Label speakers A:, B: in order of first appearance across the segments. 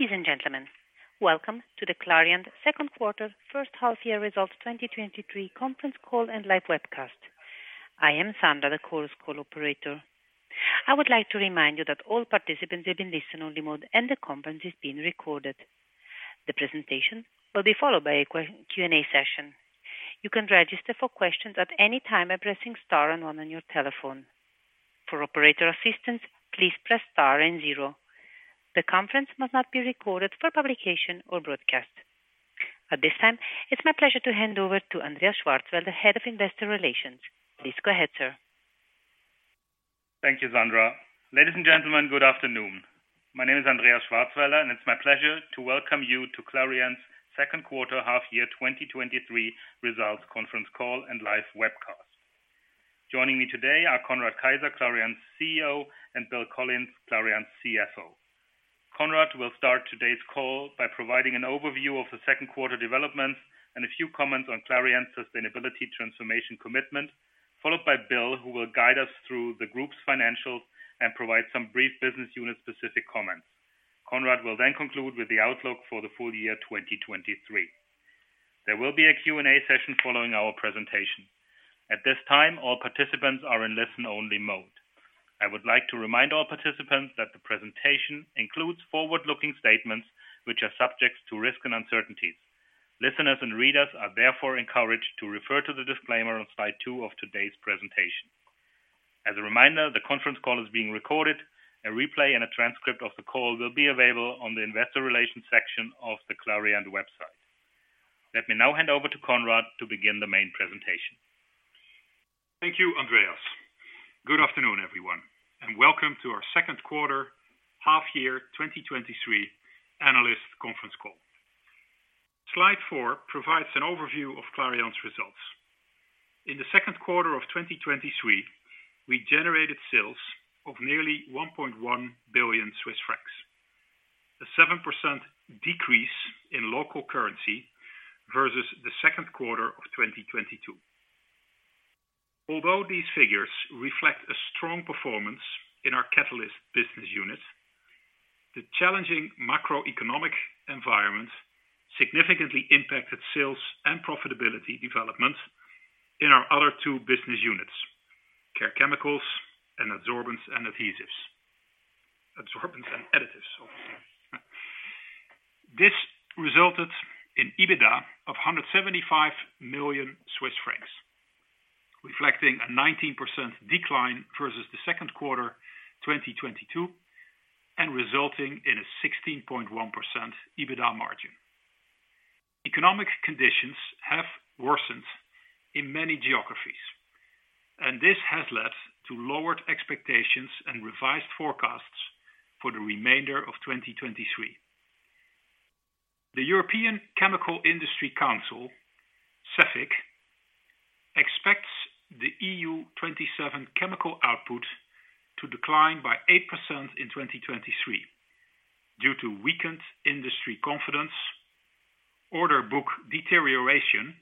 A: Ladies and gentlemen, welcome to the Clariant Second Quarter First Half Year Results 2023 Conference Call and Live Webcast. I am Sandra, the call's call operator. I would like to remind you that all participants are in listen-only mode, and the conference is being recorded. The presentation will be followed by a Q&A session. You can register for questions at any time by pressing star and one on your telephone. For operator assistance, please press star and zero. The conference must not be recorded for publication or broadcast. At this time, it's my pleasure to hand over to Andreas Schwarzwälder, the Head of Investor Relations. Please go ahead, sir.
B: Thank you, Sandra. Ladies and gentlemen, good afternoon. My name is Andreas Schwarzwälder, and it's my pleasure to welcome you to Clariant's Second Quarter Half Year 2023 Results Conference Call and Live Webcast. Joining me today are Conrad Keijzer, Clariant's CEO, and Bill Collins, Clariant's CFO. Conrad will start today's call by providing an overview of the second quarter developments and a few comments on Clariant's sustainability transformation commitment, followed by Bill, who will guide us through the Group's financials and provide some brief business unit-specific comments. Conrad will then conclude with the outlook for the full year 2023. There will be a Q&A session following our presentation. At this time, all participants are in listen-only mode. I would like to remind all participants that the presentation includes forward-looking statements, which are subject to risks and uncertainties. Listeners and readers are therefore encouraged to refer to the disclaimer on slide 2 of today's presentation. As a reminder, the conference call is being recorded. A replay and a transcript of the call will be available on the Investor Relations section of the Clariant website. Let me now hand over to Conrad to begin the main presentation.
C: Thank you, Andreas. Good afternoon, everyone, and welcome to our Second Quarter Half Year 2023 Analyst Conference Call. Slide four provides an overview of Clariant's results. In the second quarter of 2023, we generated sales of nearly 1.1 billion Swiss francs, a 7% decrease in local currency versus the second quarter of 2022. Although these figures reflect a strong performance in our catalyst business unit, the challenging macroeconomic environment significantly impacted sales and profitability development in our other two business units: Care Chemicals and Adsorbents and Adhesives. Adsorbents and Additives. Sorry. This resulted in EBITDA of 175 million Swiss francs, reflecting a 19% decline versus the second quarter 2022, and resulting in a 16.1% EBITDA margin. Economic conditions have worsened in many geographies. This has led to lowered expectations and revised forecasts for the remainder of 2023. The European Chemical Industry Council, CEFIC, expects the EU 27 chemical output to decline by 8% in 2023 due to weakened industry confidence, order book deterioration,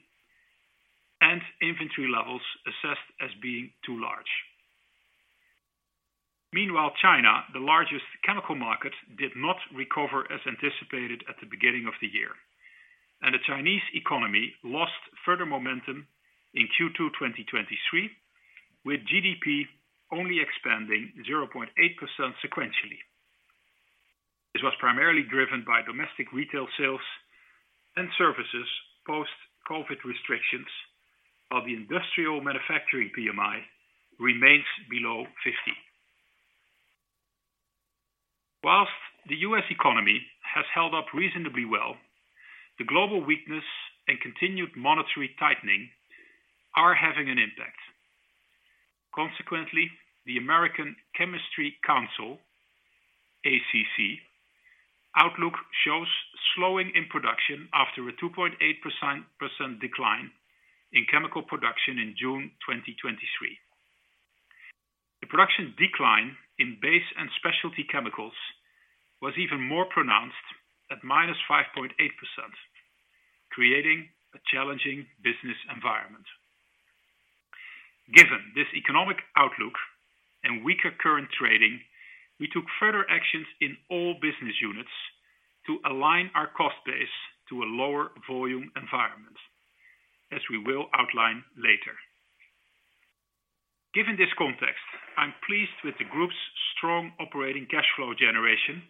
C: and inventory levels assessed as being too large. Meanwhile, China, the largest chemical market, did not recover as anticipated at the beginning of the year, and the Chinese economy lost further momentum in Q2 2023, with GDP only expanding 0.8% sequentially. This was primarily driven by domestic retail sales and services, post-COVID restrictions, while the industrial manufacturing PMI remains below 50. Whilst the U.S. economy has held up reasonably well, the global weakness and continued monetary tightening are having an impact. Consequently, the American Chemistry Council, ACC, outlook shows slowing in production after a 2.8% decline in chemical production in June 2023. The production decline in base and specialty chemicals was even more pronounced at -5.8%, creating a challenging business environment. Given this economic outlook and weaker current trading, we took further actions in all business units to align our cost base to a lower volume environment, as we will outline later. Given this context, I'm pleased with the Group's strong operating cash flow generation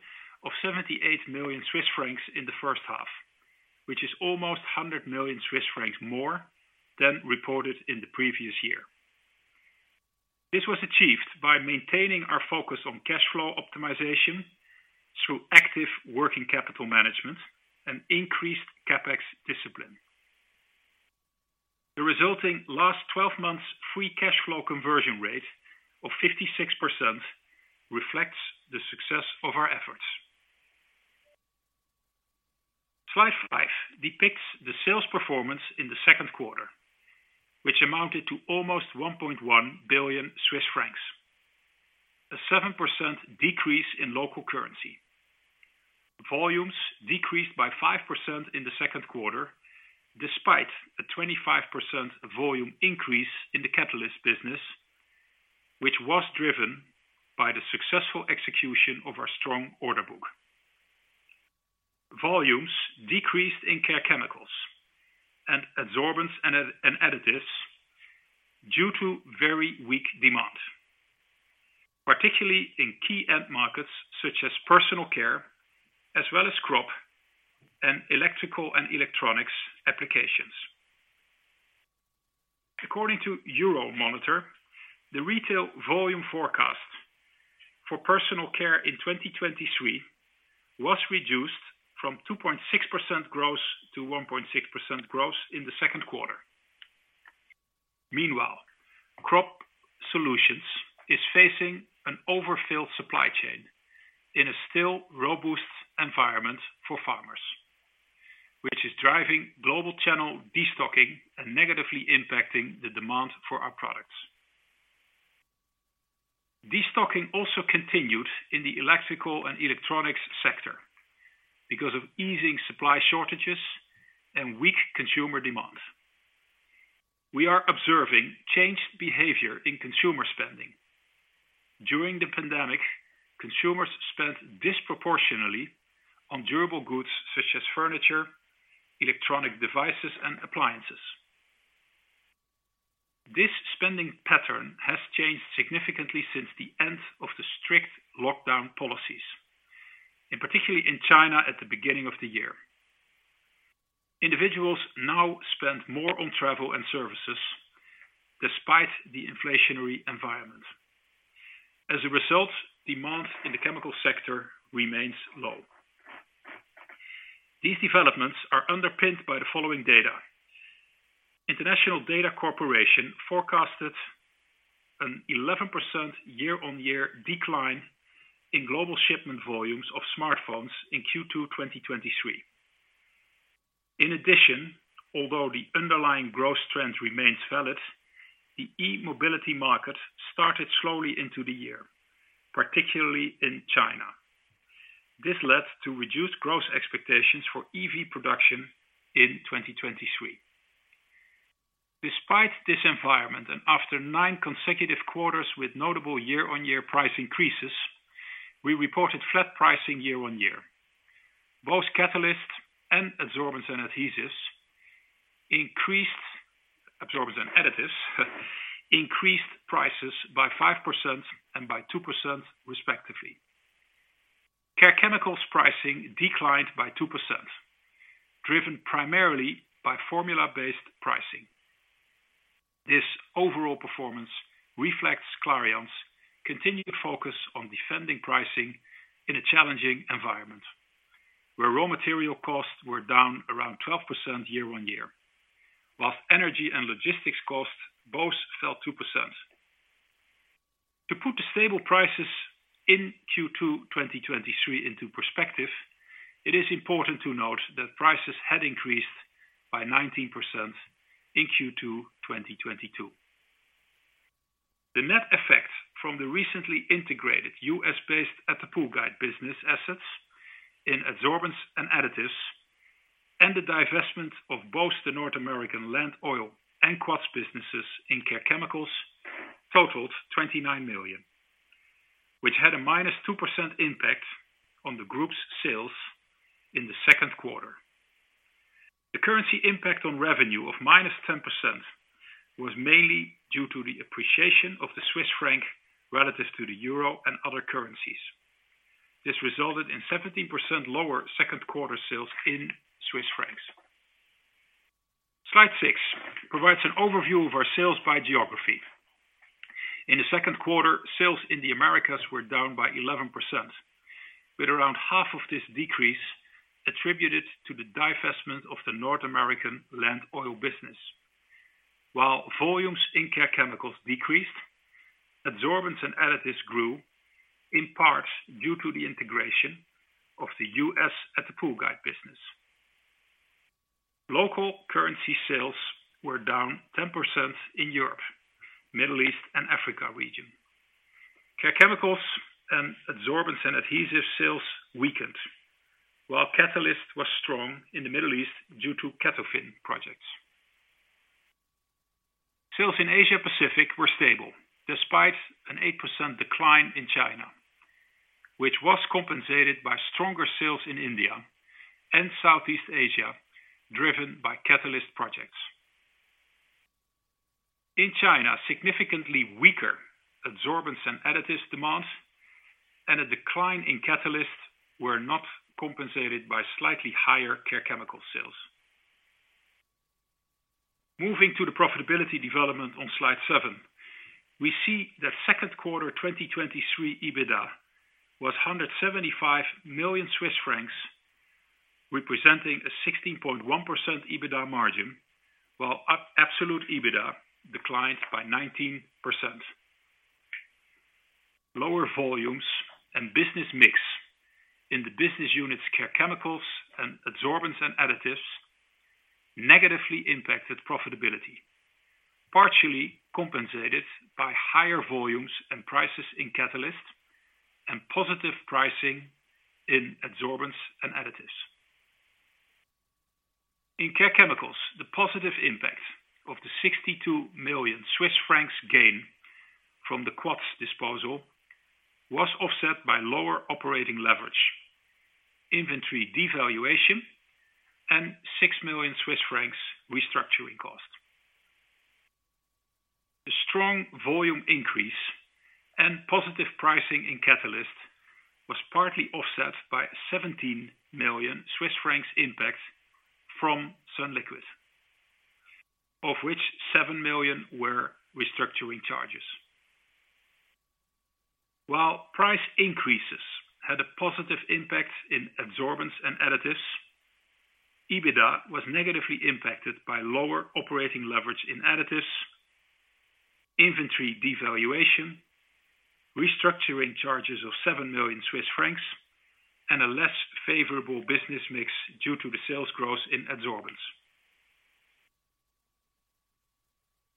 C: of 78 million Swiss francs in the first half, which is almost 100 million Swiss francs more than reported in the previous year. This was achieved by maintaining our focus on cash flow optimization through active working capital management and increased CapEx discipline. The resulting last 12 months free cash flow conversion rate of 56% reflects the success of our efforts. Slide 5 depicts the sales performance in the second quarter, which amounted to almost 1.1 billion Swiss francs, a 7% decrease in local currency. Volumes decreased by 5% in the second quarter, despite a 25% volume increase in the catalyst business, which was driven by the successful execution of our strong order book. Volumes decreased in Care Chemicals and absorbents and, and additives due to very weak demand, particularly in key end markets such as personal care, as well as crop and electrical and electronics applications. According to Euromonitor, the retail volume forecast for personal care in 2023 was reduced from 2.6% growth to 1.6% growth in the second quarter. Meanwhile, Crop Solutions is facing an overfilled supply chain in a still robust environment for farmers, which is driving global channel destocking and negatively impacting the demand for our products. Destocking also continued in the electrical and electronics sector because of easing supply shortages and weak consumer demand. We are observing changed behavior in consumer spending. During the pandemic, consumers spent disproportionately on durable goods such as furniture, electronic devices, and appliances. This spending pattern has changed significantly since the end of the strict lockdown policies, and particularly in China at the beginning of the year. Individuals now spend more on travel and services despite the inflationary environment. As a result, demand in the chemical sector remains low. These developments are underpinned by the following data. International Data Corporation forecasted an 11% year-on-year decline in global shipment volumes of smartphones in Q2, 2023. In addition, although the underlying growth trend remains valid, the e-mobility market started slowly into the year, particularly in China. This led to reduced growth expectations for EV production in 2023. Despite this environment, and after 9 consecutive quarters with notable year-on-year price increases, we reported flat pricing year-on-year. Both catalysts and absorbents and additives, increased prices by 5% and by 2% respectively. Care Chemicals pricing declined by 2%, driven primarily by formula-based pricing. This overall performance reflects Clariant's continued focus on defending pricing in a challenging environment, where raw material costs were down around 12% year-on-year, whilst energy and logistics costs both fell 2%. To put the stable prices in Q2, 2023 into perspective, it is important to note that prices had increased by 19% in Q2, 2022. The net effect from the recently integrated U.S.-based attapulgite business assets in absorbents and additives, and the divestment of both the North American Land Oil and Quats businesses in Care Chemicals totaled 29 million, which had a -2% impact on the group's sales in the Second Quarter. The currency impact on revenue of -10% was mainly due to the appreciation of the Swiss franc relative to the euro and other currencies. This resulted in 17% lower Second Quarter sales in Swiss francs. Slide 6 provides an overview of our sales by geography. In the Second Quarter, sales in the Americas were down by 11%, with around half of this decrease attributed to the divestment of the North American Land Oil business. While volumes in Care Chemicals decreased, absorbents and additives grew, in part due to the integration of the U.S. attapulgite business. Local currency sales were down 10% in Europe, Middle East, and Africa region. Care Chemicals and absorbents and adhesive sales weakened, while catalyst was strong in the Middle East due to CATOFIN projects. Sales in Asia Pacific were stable, despite an 8% decline in China, which was compensated by stronger sales in India and Southeast Asia, driven by catalyst projects. In China, significantly weaker absorbents and additives demands and a decline in catalysts were not compensated by slightly higher Care Chemicals sales. Moving to the profitability development on slide 7, we see that second quarter 2023 EBITDA was 175 million Swiss francs, representing a 16.1% EBITDA margin, while absolute EBITDA declined by 19%. Lower volumes and business mix in the business units Care Chemicals and absorbents and additives negatively impacted profitability, partially compensated by higher volumes and prices in catalysts and positive pricing in absorbents and additives. In Care Chemicals, the positive impact of the 62 million Swiss francs gain from the Quats disposal was offset by lower operating leverage, inventory devaluation, and 6 million Swiss francs restructuring costs. The strong volume increase and positive pricing in catalyst was partly offset by 17 million Swiss francs impact from Sunliquid, of which 7 million were restructuring charges. While price increases had a positive impact in absorbents and additives, EBITDA was negatively impacted by lower operating leverage in additives, inventory devaluation, restructuring charges of 7 million Swiss francs, and a less favorable business mix due to the sales growth in absorbents.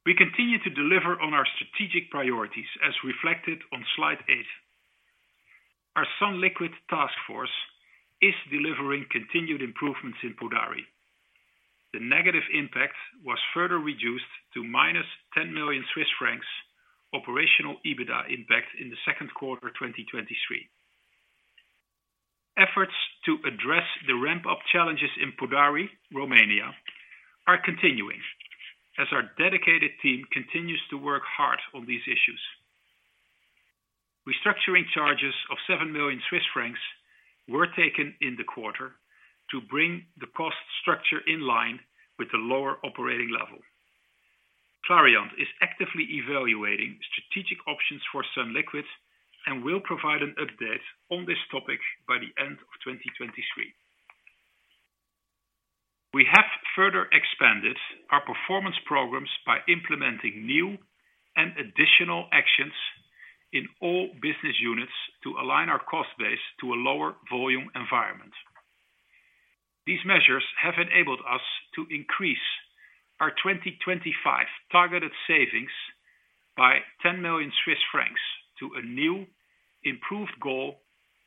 C: We continue to deliver on our strategic priorities as reflected on slide 8. Our Sunliquid task force is delivering continued improvements in Podari. The negative impact was further reduced to -10 million Swiss francs operational EBITDA impact in the second quarter of 2023. Efforts to address the ramp-up challenges in Podari, Romania, are continuing as our dedicated team continues to work hard on these issues. Restructuring charges of 7 million Swiss francs were taken in the quarter to bring the cost structure in line with the lower operating level. Clariant is actively evaluating strategic options for Sunliquid, and will provide an update on this topic by the end of 2023. We have further expanded our performance programs by implementing new and additional actions in all business units to align our cost base to a lower volume environment. These measures have enabled us to increase our 2025 targeted savings by 10 million Swiss francs to a new improved goal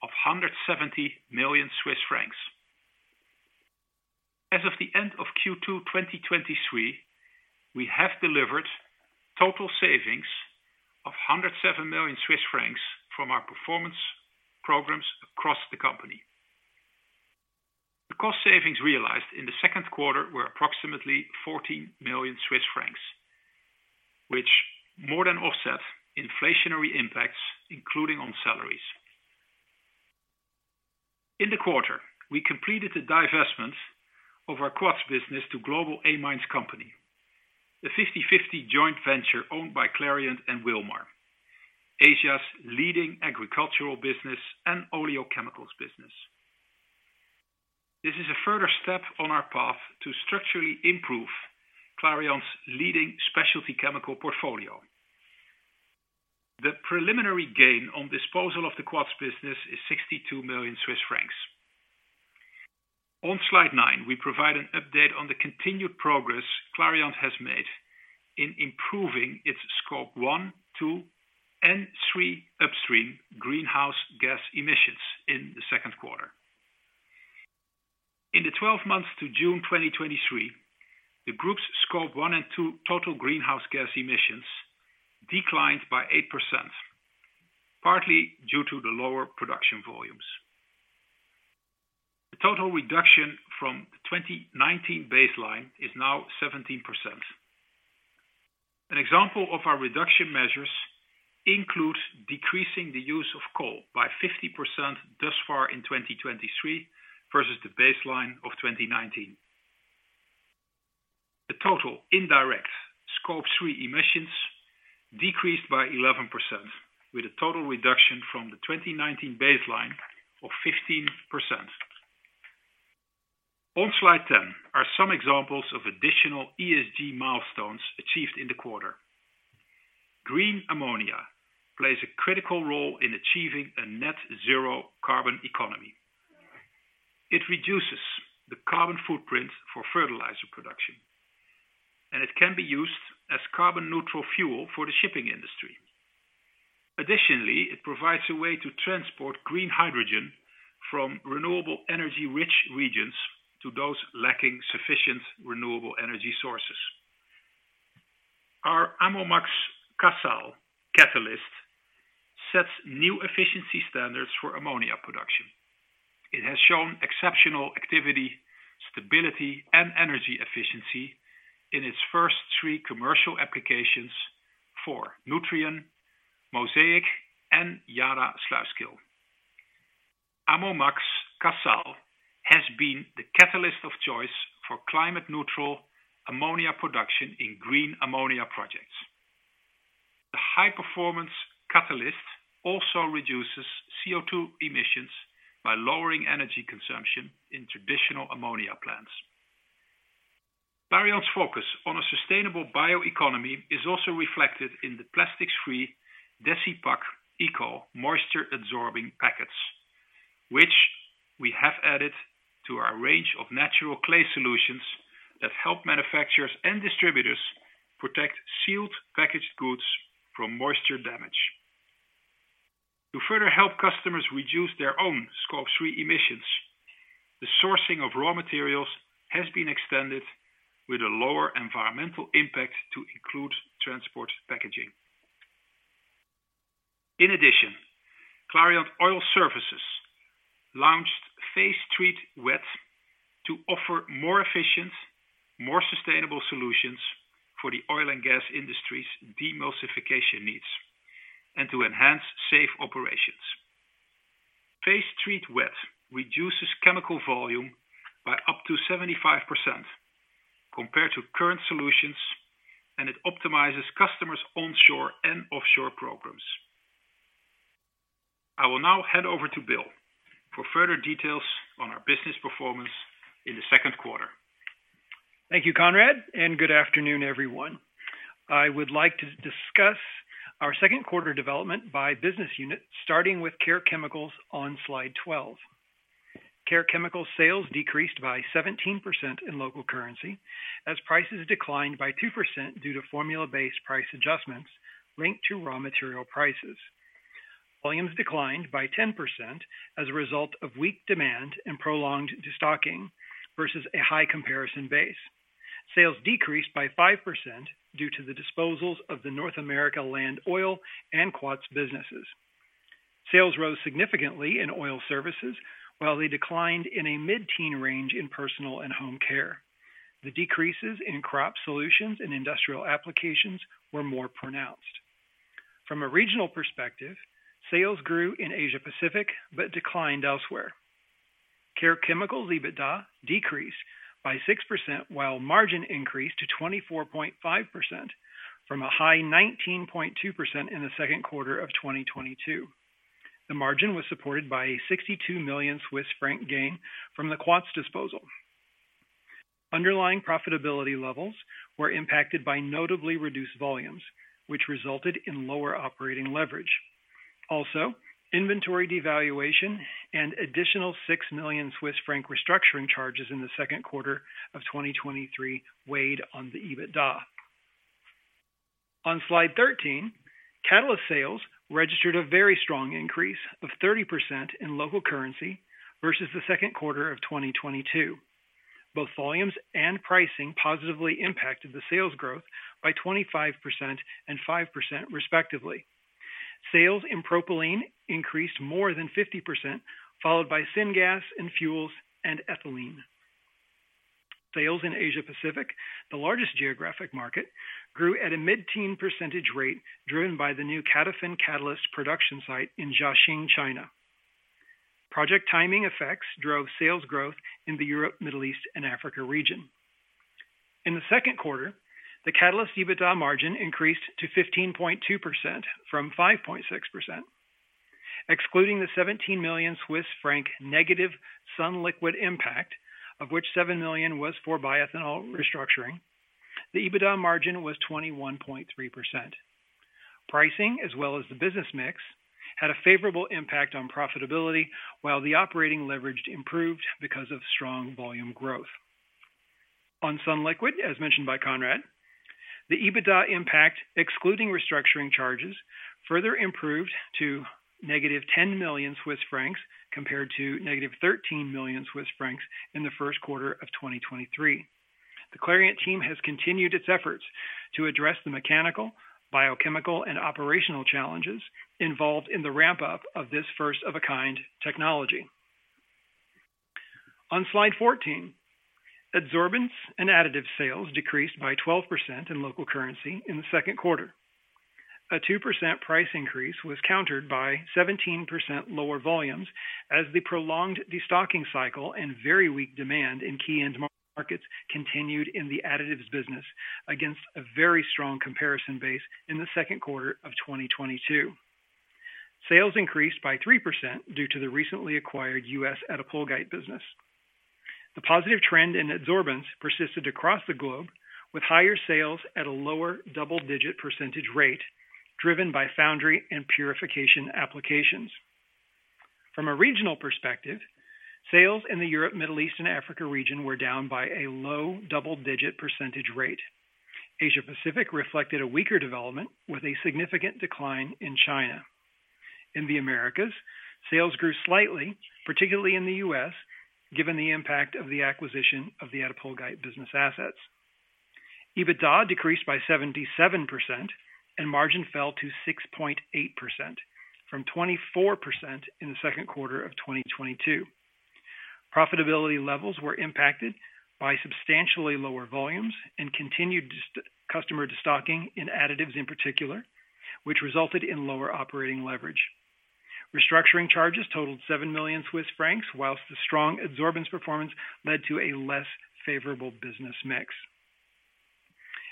C: of 170 million Swiss francs. As of the end of Q2 2023, we have delivered total savings of 107 million Swiss francs from our performance programs across the company. The cost savings realized in the second quarter were approximately 14 million Swiss francs, which more than offset inflationary impacts, including on salaries. In the quarter, we completed the divestment of our Quats business to Global Amines Company, a 50/50 joint venture owned by Clariant and Wilmar, Asia's leading agricultural business and oleochemicals business. This is a further step on our path to structurally improve Clariant's leading specialty chemical portfolio. The preliminary gain on disposal of the Quats business is 62 million Swiss francs. On slide 9, we provide an update on the continued progress Clariant has made in improving its scope 1, 2, and 3 upstream greenhouse gas emissions in the second quarter. In the 12 months to June 2023, the group's scope 1 and 2 total greenhouse gas emissions declined by 8%, partly due to the lower production volumes. The total reduction from the 2019 baseline is now 17%. An example of our reduction measures includes decreasing the use of coal by 50% thus far in 2023 versus the baseline of 2019. The total indirect scope 3 emissions decreased by 11%, with a total reduction from the 2019 baseline of 15%. On slide 10 are some examples of additional ESG milestones achieved in the quarter. Green ammonia plays a critical role in achieving a net zero carbon economy. It reduces the carbon footprint for fertilizer production, and it can be used as carbon neutral fuel for the shipping industry. Additionally, it provides a way to transport green hydrogen from renewable energy-rich regions to those lacking sufficient renewable energy sources. Our AmmoMax-Casale catalyst sets new efficiency standards for ammonia production. It has shown exceptional activity, stability, and energy efficiency in its first three commercial applications for Nutrien, Mosaic, and Yara Sluiskil. AmmoMax-Casale has been the catalyst of choice for climate neutral ammonia production in green ammonia projects. The high-performance catalyst also reduces CO2 emissions by lowering energy consumption in traditional ammonia plants. Clariant's focus on a sustainable bioeconomy is also reflected in the plastics-free Desipac Eco moisture absorbing packets, which we have added to our range of natural clay solutions that help manufacturers and distributors protect sealed packaged goods from moisture damage. To further help customers reduce their own scope three emissions, the sourcing of raw materials has been extended with a lower environmental impact to include transport packaging. In addition, Clariant Oil Services launched Phase Treat Wet to offer more efficient, more sustainable solutions for the oil and gas industry's demulsification needs and to enhance safe operations. Phase Treat Wet reduces chemical volume by up to 75% compared to current solutions, and it optimizes customers' onshore and offshore programs. I will now hand over to Bill for further details on our business performance in the second quarter.
D: Thank you, Conrad, and good afternoon, everyone. I would like to discuss our second quarter development by business unit, starting with Care Chemicals on slide 12. Care Chemicals sales decreased by 17% in local currency as prices declined by 2% due to formula-based price adjustments linked to raw material prices. Volumes declined by 10% as a result of weak demand and prolonged destocking versus a high comparison base. Sales decreased by 5% due to the disposals of the North America land oil and Quats businesses. Sales rose significantly in oil services, while they declined in a mid-teen range in personal and home care. The decreases in crop solutions and industrial applications were more pronounced. From a regional perspective, sales grew in Asia Pacific but declined elsewhere. Care Chemicals EBITDA decreased by 6%, while margin increased to 24.5% from a high 19.2% in the second quarter of 2022. The margin was supported by a 62 million Swiss franc gain from the Quats disposal. Underlying profitability levels were impacted by notably reduced volumes, which resulted in lower operating leverage. Inventory devaluation and additional 6 million Swiss franc restructuring charges in the second quarter of 2023 weighed on the EBITDA. On slide 13, catalyst sales registered a very strong increase of 30% in local currency versus the second quarter of 2022. Both volumes and pricing positively impacted the sales growth by 25% and 5%, respectively. Sales in propylene increased more than 50%, followed by syngas and fuels and ethylene. Sales in Asia Pacific, the largest geographic market, grew at a mid-teen % rate, driven by the new Catafin catalyst production site in Jiaxing, China. Project timing effects drove sales growth in the Europe, Middle East, and Africa region. In the second quarter, the catalyst EBITDA margin increased to 15.2% from 5.6%, excluding the 17 million Swiss franc negative Sunliquid impact, of which 7 million was for bioethanol restructuring. The EBITDA margin was 21.3%. Pricing, as well as the business mix, had a favorable impact on profitability, while the operating leverage improved because of strong volume growth. On Sunliquid, as mentioned by Conrad, the EBITDA impact, excluding restructuring charges, further improved to -10 million Swiss francs, compared to -13 million Swiss francs in the first quarter of 2023. The Clariant team has continued its efforts to address the mechanical, biochemical, and operational challenges involved in the ramp-up of this first-of-a-kind technology. On slide 14, absorbance and additive sales decreased by 12% in local currency in the second quarter. A 2% price increase was countered by 17% lower volumes as the prolonged destocking cycle and very weak demand in key end markets continued in the additives business against a very strong comparison base in the second quarter of 2022. Sales increased by 3% due to the recently acquired U.S. attapulgite business. The positive trend in absorbance persisted across the globe, with higher sales at a lower double-digit percentage rate, driven by foundry and purification applications. From a regional perspective, sales in the Europe, Middle East, and Africa region were down by a low double-digit percentage rate. Asia Pacific reflected a weaker development with a significant decline in China. In the Americas, sales grew slightly, particularly in the U.S., given the impact of the acquisition of the attapulgite business assets. EBITDA decreased by 77% and margin fell to 6.8% from 24% in the second quarter of 2022. Profitability levels were impacted by substantially lower volumes and continued customer destocking in additives in particular, which resulted in lower operating leverage. Restructuring charges totaled 7 million Swiss francs, whilst the strong absorbance performance led to a less favorable business mix.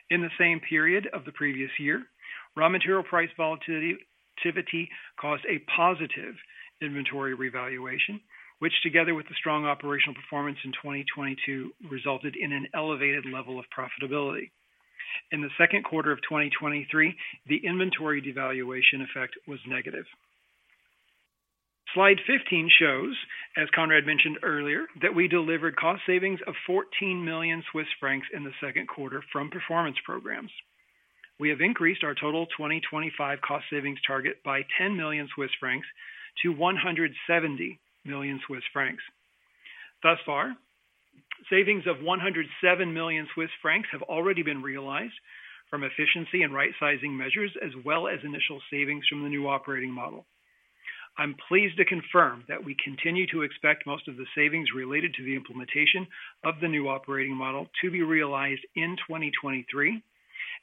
D: In the same period of the previous year, raw material price volatility caused a positive inventory revaluation, which, together with the strong operational performance in 2022, resulted in an elevated level of profitability. In the second quarter of 2023, the inventory devaluation effect was negative. Slide 15 shows, as Conrad mentioned earlier, that we delivered cost savings of 14 million Swiss francs in the second quarter from performance programs. We have increased our total 2025 cost savings target by 10 million Swiss francs to 170 million Swiss francs. Thus far, savings of 107 million Swiss francs have already been realized from efficiency and rightsizing measures, as well as initial savings from the new operating model. I'm pleased to confirm that we continue to expect most of the savings related to the implementation of the new operating model to be realized in 2023,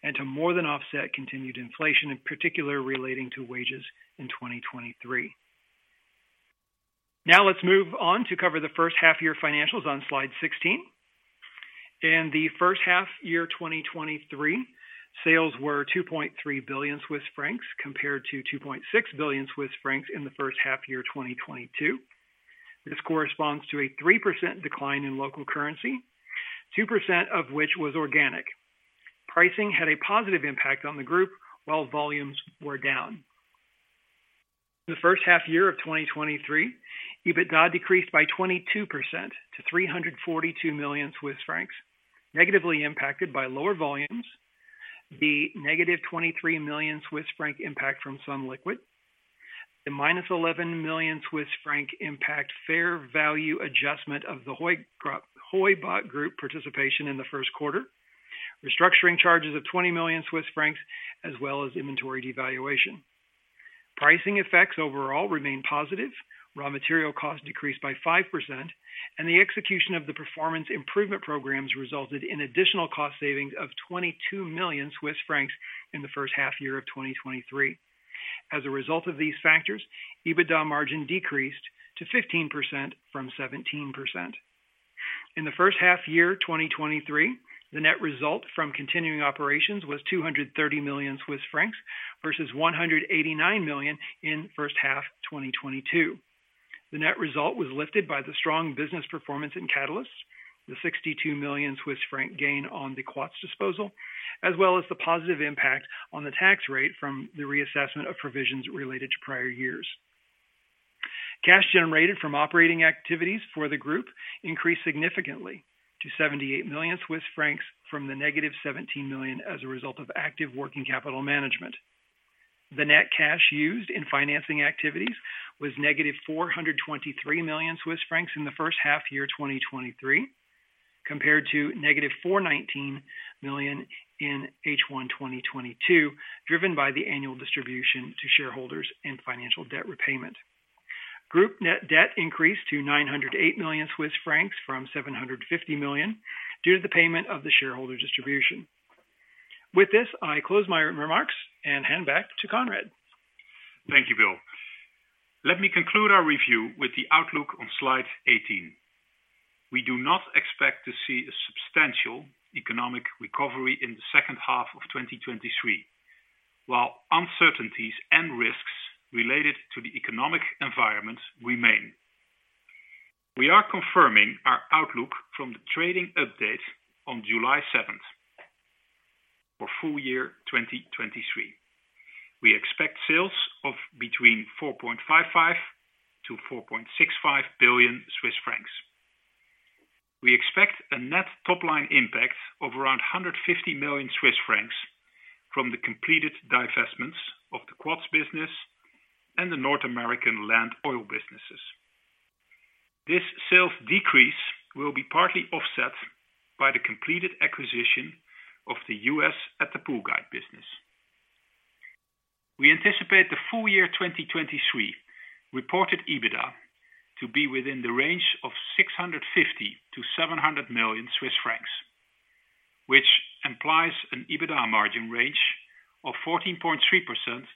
D: and to more than offset continued inflation, in particular, relating to wages in 2023. Now let's move on to cover the first half year financials on slide 16. In the first half year, 2023, sales were 2.3 billion Swiss francs, compared to 2.6 billion Swiss francs in the first half year, 2022. This corresponds to a 3% decline in local currency, 2% of which was organic. Pricing had a positive impact on the group, while volumes were down. The first half year of 2023, EBITDA decreased by 22% to 342 million Swiss francs, negatively impacted by lower volumes, the -23 million Swiss franc impact from Sunliquid, the -11 million Swiss franc impact fair value adjustment of the Heubach Group participation in the first quarter, restructuring charges of 20 million Swiss francs, as well as inventory devaluation. Pricing effects overall remained positive. Raw material costs decreased by 5%, and the execution of the performance improvement programs resulted in additional cost savings of 22 million Swiss francs in the first half year of 2023. As a result of these factors, EBITDA margin decreased to 15% from 17%. In the first half year, 2023, the net result from continuing operations was 230 million Swiss francs, versus 189 million in first half, 2022. The net result was lifted by the strong business performance in catalysts, the 62 million Swiss franc gain on the Quats disposal, as well as the positive impact on the tax rate from the reassessment of provisions related to prior years. Cash generated from operating activities for the group increased significantly to 78 million Swiss francs from the -17 million as a result of active working capital management. The net cash used in financing activities was -423 million Swiss francs in the first half year, 2023, compared to -419 million in H1 2022, driven by the annual distribution to shareholders and financial debt repayment. Group net debt increased to 908 million Swiss francs from 750 million due to the payment of the shareholder distribution. With this, I close my remarks and hand back to Conrad.
C: Thank you, Bill. Let me conclude our review with the outlook on slide 18. We do not expect to see a substantial economic recovery in the second half of 2023, while uncertainties and risks related to the economic environment remain. We are confirming our outlook from the trading update on July 7th, for full year 2023. We expect sales of between 4.55 billion-4.65 billion Swiss francs. We expect a net top-line impact of around 150 million Swiss francs from the completed divestments of the Quats business and the North American land oil businesses. This sales decrease will be partly offset by the completed acquisition of the U.S. attapulgite business. We anticipate the full year 2023 reported EBITDA to be within the range of 650 million-700 million Swiss francs, which implies an EBITDA margin range of 14.3%-15.1%.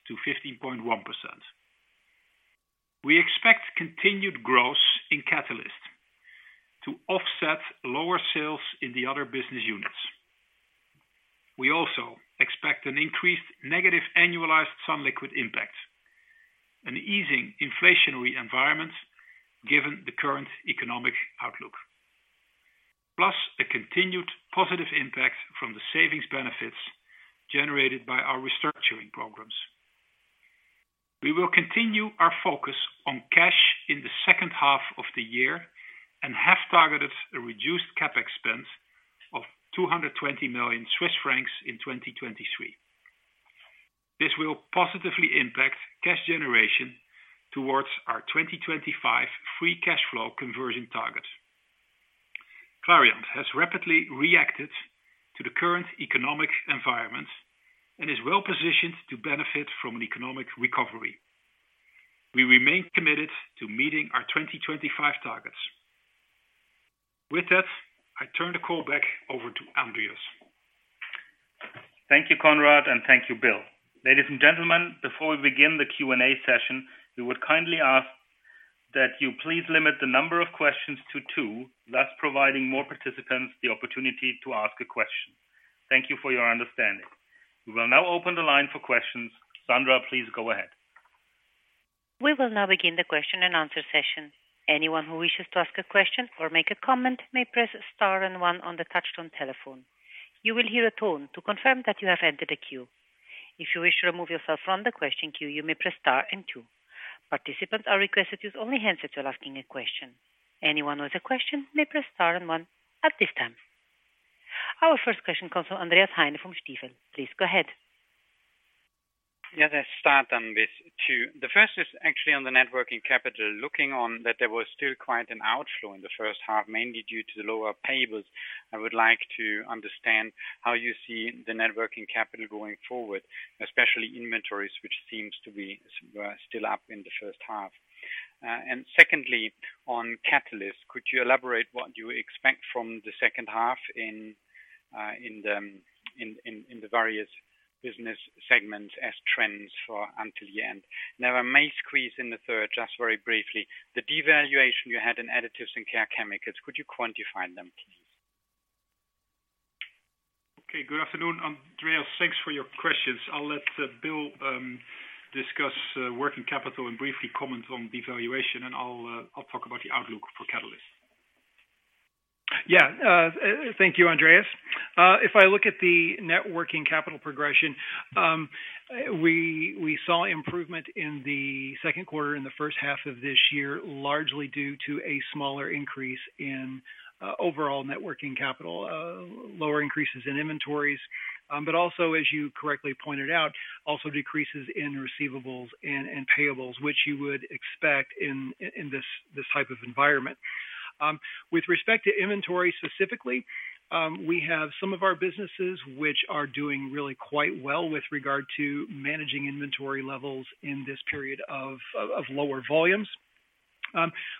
C: We expect continued growth in Catalysts to offset lower sales in the other business units. We also expect an increased negative annualized Sunliquid impact, an easing inflationary environment, given the current economic outlook, plus a continued positive impact from the savings benefits generated by our restructuring programs. We will continue our focus on cash in the second half of the year and have targeted a reduced CapEx spend of 220 million Swiss francs in 2023. This will positively impact cash generation towards our 2025 free cash flow conversion target. Clariant has rapidly reacted to the current economic environment and is well positioned to benefit from an economic recovery. We remain committed to meeting our 2025 targets. With that, I turn the call back over to Andreas.
B: Thank you, Conrad, and thank you, Bill. Ladies and gentlemen, before we begin the Q&A session, we would kindly ask that you please limit the number of questions to two, thus providing more participants the opportunity to ask a question. Thank you for your understanding. We will now open the line for questions. Sandra, please go ahead.
A: We will now begin the question and answer session. Anyone who wishes to ask a question or make a comment may press star and one on the touchtone telephone. You will hear a tone to confirm that you have entered the queue. If you wish to remove yourself from the question queue, you may press star and two. Participants are requested to use only hands if you're asking a question. Anyone with a question may press star and one at this time. Our first question comes from Andreas Heine from Stifel. Please go ahead.
E: Yeah, let's start on this two. The first is actually on the networking capital. Looking on that, there was still quite an outflow in the first half, mainly due to the lower payables. I would like to understand how you see the networking capital going forward, especially inventories, which seems to be still up in the first half. Secondly, on Catalyst, could you elaborate what you expect from the second half in the various business segments as trends for until the end? Now, I may squeeze in the third, just very briefly. The devaluation you had in Additives and Care Chemicals, could you quantify them, please?
C: Okay, good afternoon, Andreas, thanks for your questions. I'll let Bill discuss working capital and briefly comment on devaluation, and I'll talk about the outlook for Catalyst.
D: Yeah, thank you, Andreas. If I look at the networking capital progression, we saw improvement in the second quarter, in the first half of this year, largely due to a smaller increase in overall networking capital, lower increases in inventories. Also, as you correctly pointed out, also decreases in receivables and payables, which you would expect in this type of environment. With respect to inventory, specifically, we have some of our businesses which are doing really quite well with regard to managing inventory levels in this period of lower volumes.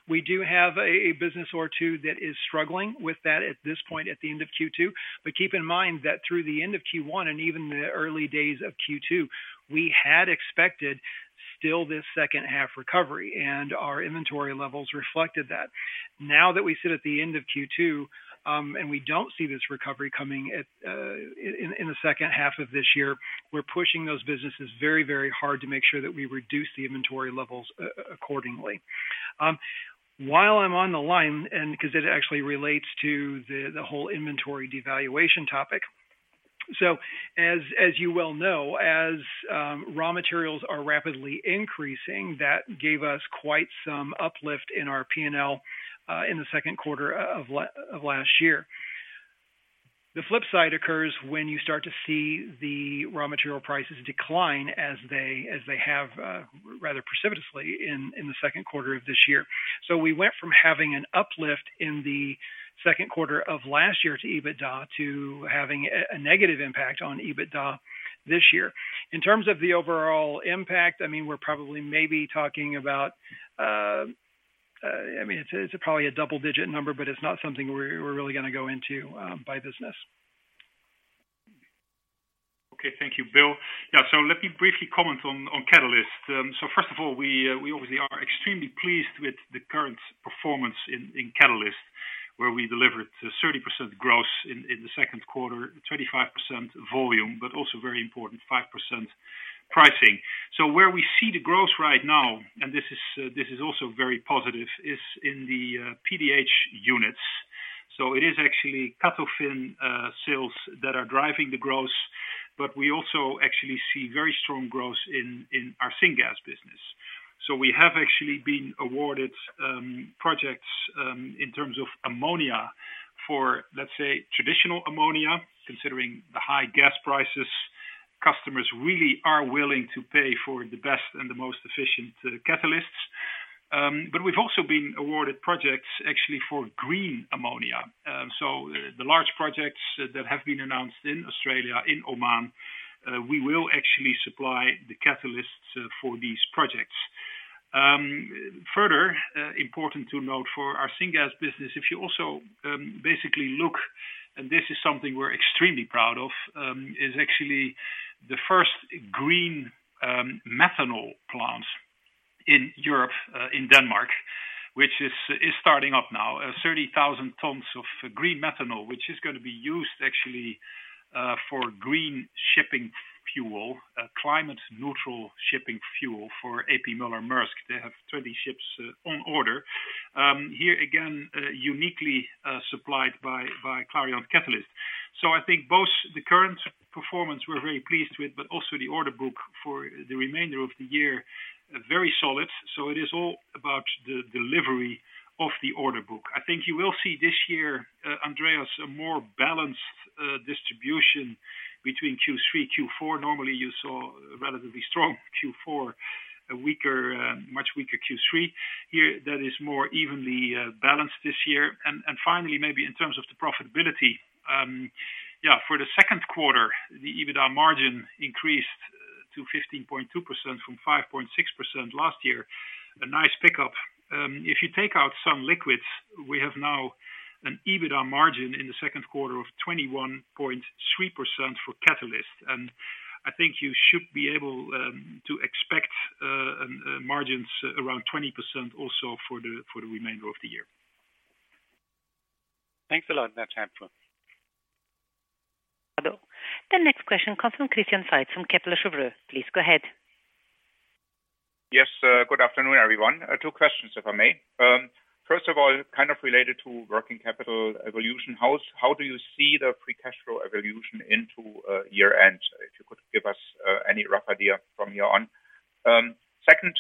D: We do have a business or two that is struggling with that at this point at the end of Q2. Keep in mind that through the end of Q1 and even the early days of Q2, we had expected still this second half recovery, and our inventory levels reflected that. Now that we sit at the end of Q2, and we don't see this recovery coming in the second half of this year, we're pushing those businesses very, very hard to make sure that we reduce the inventory levels accordingly. While I'm on the line, 'cause it actually relates to the whole inventory devaluation topic. As, as you well know, as raw materials are rapidly increasing, that gave us quite some uplift in our P&L in the second quarter of last year. The flip side occurs when you start to see the raw material prices decline as they, as they have, rather precipitously in the second quarter of this year. We went from having an uplift in the second quarter of last year to EBITDA, to having a negative impact on EBITDA this year. In terms of the overall impact, I mean, we're probably maybe talking about, I mean, it's probably a double-digit number, but it's not something we're really gonna go into, by business.
C: Okay. Thank you, Bill. Yeah, let me briefly comment on Catalyst. First of all, we obviously are extremely pleased with the current performance in Catalyst, where we delivered 30% growth in the second quarter, 25% volume, but also very important, 5% pricing. Where we see the growth right now, and this is, this is also very positive, is in the PDH units. It is actually Catalfin sales that are driving the growth. We also actually see very strong growth in our syngas business. We have actually been awarded projects, in terms of ammonia for, let's say, traditional ammonia. Considering the high gas prices, customers really are willing to pay for the best and the most efficient catalysts. We've also been awarded projects actually for green ammonia. The large projects that have been announced in Australia, in Oman, we will actually supply the catalysts for these projects. Further, important to note for our syngas business, if you also basically look, and this is something we're extremely proud of, is actually the first green methanol plant in Europe, in Denmark, which is starting up now. 30,000 tons of green methanol, which is gonna be used actually for green shipping fuel, a climate neutral shipping fuel for A.P. Moller - Maersk. They have 30 ships on order. Here again, uniquely supplied by Clariant Catalyst. I think both the current performance we're very pleased with, but also the order book for the remainder of the year, very solid. It is all about the delivery of the order book. I think you will see this year, Andreas, a more balanced distribution between Q3, Q4. Normally, you saw a relatively strong Q4, a weaker, much weaker Q3. Here, that is more evenly balanced this year. Finally, maybe in terms of the profitability, for the second quarter, the EBITDA margin increased to 15.2% from 5.6% last year. A nice pickup. If you take out some liquids, we have now an EBITDA margin in the second quarter of 21.3% for Catalyst. I think you should be able to expect margins around 20% also for the remainder of the year.
E: Thanks a lot. That's helpful.
A: The next question comes from Christian Seitz from Kepler Cheuvreux. Please go ahead.
F: Yes, good afternoon, everyone. Two questions, if I may. First of all, kind of related to working capital evolution, how, how do you see the free cash flow evolution into year-end? If you could give us any rough idea from here on. Second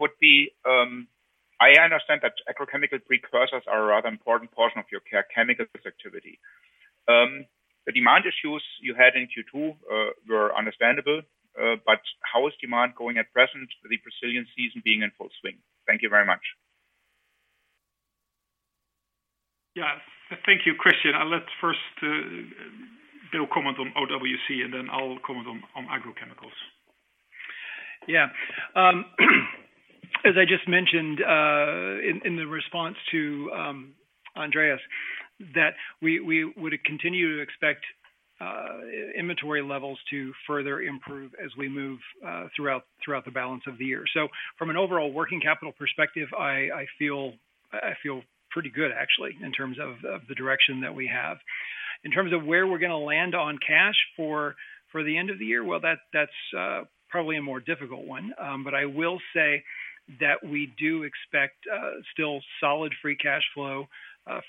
F: would be, I understand that agrochemical precursors are a rather important portion of your care chemicals activity. The demand issues you had in Q2 were understandable, but how is demand going at present, the Brazilian season being in full swing? Thank you very much.
C: Yeah. Thank you, Christian. I'll let first, Bill comment on OWC, and then I'll comment on agrochemicals.
D: Yeah. As I just mentioned, in, in the response to Andreas Schwarzwälder, that we, we would continue to expect inventory levels to further improve as we move throughout, throughout the balance of the year. From an overall working capital perspective, I, I feel, I feel pretty good, actually, in terms of, of the direction that we have. In terms of where we're gonna land on cash for, for the end of the year, well, that's, that's probably a more difficult one. I will say that we do expect still solid free cash flow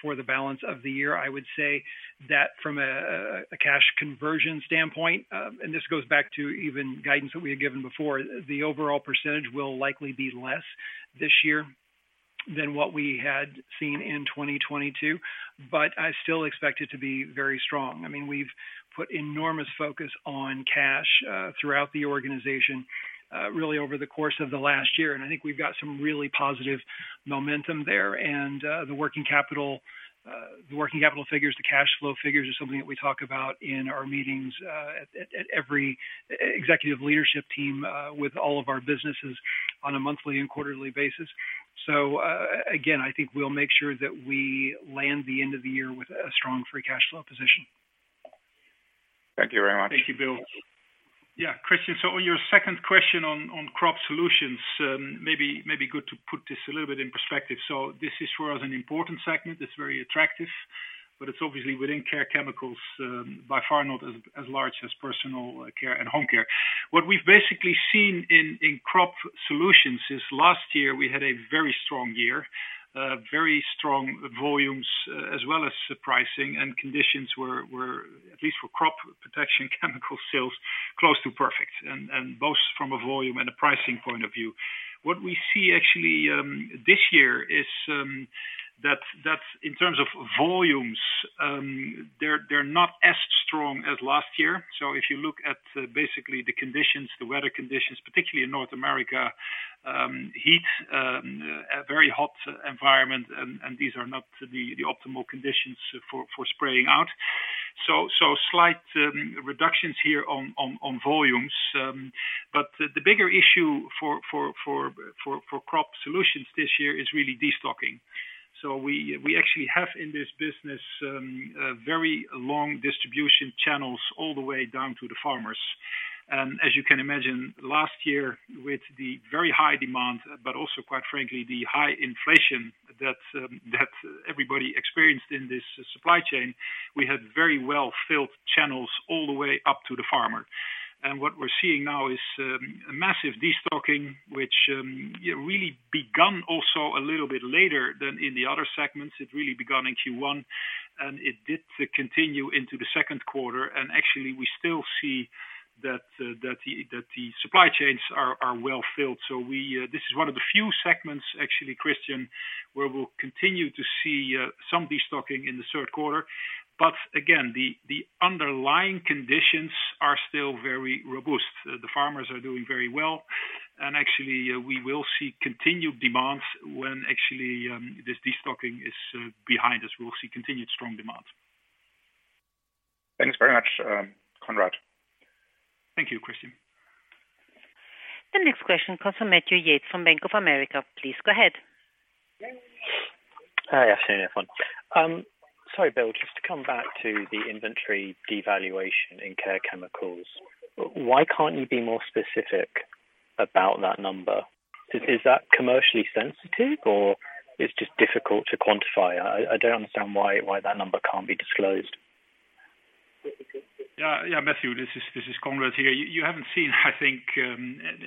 D: for the balance of the year. I would say that from a cash conversion standpoint, and this goes back to even guidance that we had given before, the overall percentage will likely be less this year than what we had seen in 2022, but I still expect it to be very strong. I mean, we've put enormous focus on cash throughout the organization really over the course of the last year. I think we've got some really positive momentum there. The working capital, the working capital figures, the cash flow figures are something that we talk about in our meetings at every executive leadership team with all of our businesses on a monthly and quarterly basis. Again, I think we'll make sure that we land the end of the year with a strong free cash flow position.
F: Thank you very much.
C: Thank you, Bill. Yeah, Christian, on your second question on, on crop solutions, maybe, maybe good to put this a little bit in perspective. This is, for us, an important segment. It's very attractive, but it's obviously within care chemicals, by far not as, as large as personal care and home care. What we've basically seen in, in crop solutions is last year, we had a very strong year, very strong volumes, as well as pricing and conditions were, were, at least for crop protection, chemical sales, close to perfect, and, and both from a volume and a pricing point of view. What we see actually, this year is, that, that in terms of volumes, they're, they're not as strong as last year. If you look at basically the conditions, the weather conditions, particularly in North America, heat, a very hot environment, and these are not the optimal conditions for spraying out. Slight reductions here on volumes. But the bigger issue for crop solutions this year is really destocking. We actually have in this business very long distribution channels all the way down to the farmers. As you can imagine, last year, with the very high demand, but also, quite frankly, the high inflation that everybody experienced in this supply chain, we had very well-filled channels all the way up to the farmer. What we're seeing now is a massive destocking, which really begun also a little bit later than in the other segments. It really begun in Q1, and it did continue into the second quarter, and actually, we still see that, that the, that the supply chains are, are well filled. We, this is one of the few segments, actually, Christian, where we'll continue to see, some destocking in the third quarter. Again, the, the underlying conditions are still very robust. The farmers are doing very well, actually, we will see continued demand when actually, this destocking is, behind us. We will see continued strong demand.
F: Thanks very much, Conrad.
C: Thank you, Christian.
A: The next question comes from Matthew Yates from Bank of America. Please go ahead.
G: Hi, afternoon, everyone. Sorry, Bill, just to come back to the inventory devaluation in care chemicals, why can't you be more specific about that number? Is that commercially sensitive, or it's just difficult to quantify? I don't understand why that number can't be disclosed.
C: Yeah, yeah, Matthew, this is, this is Conrad here. You, you haven't seen, I think,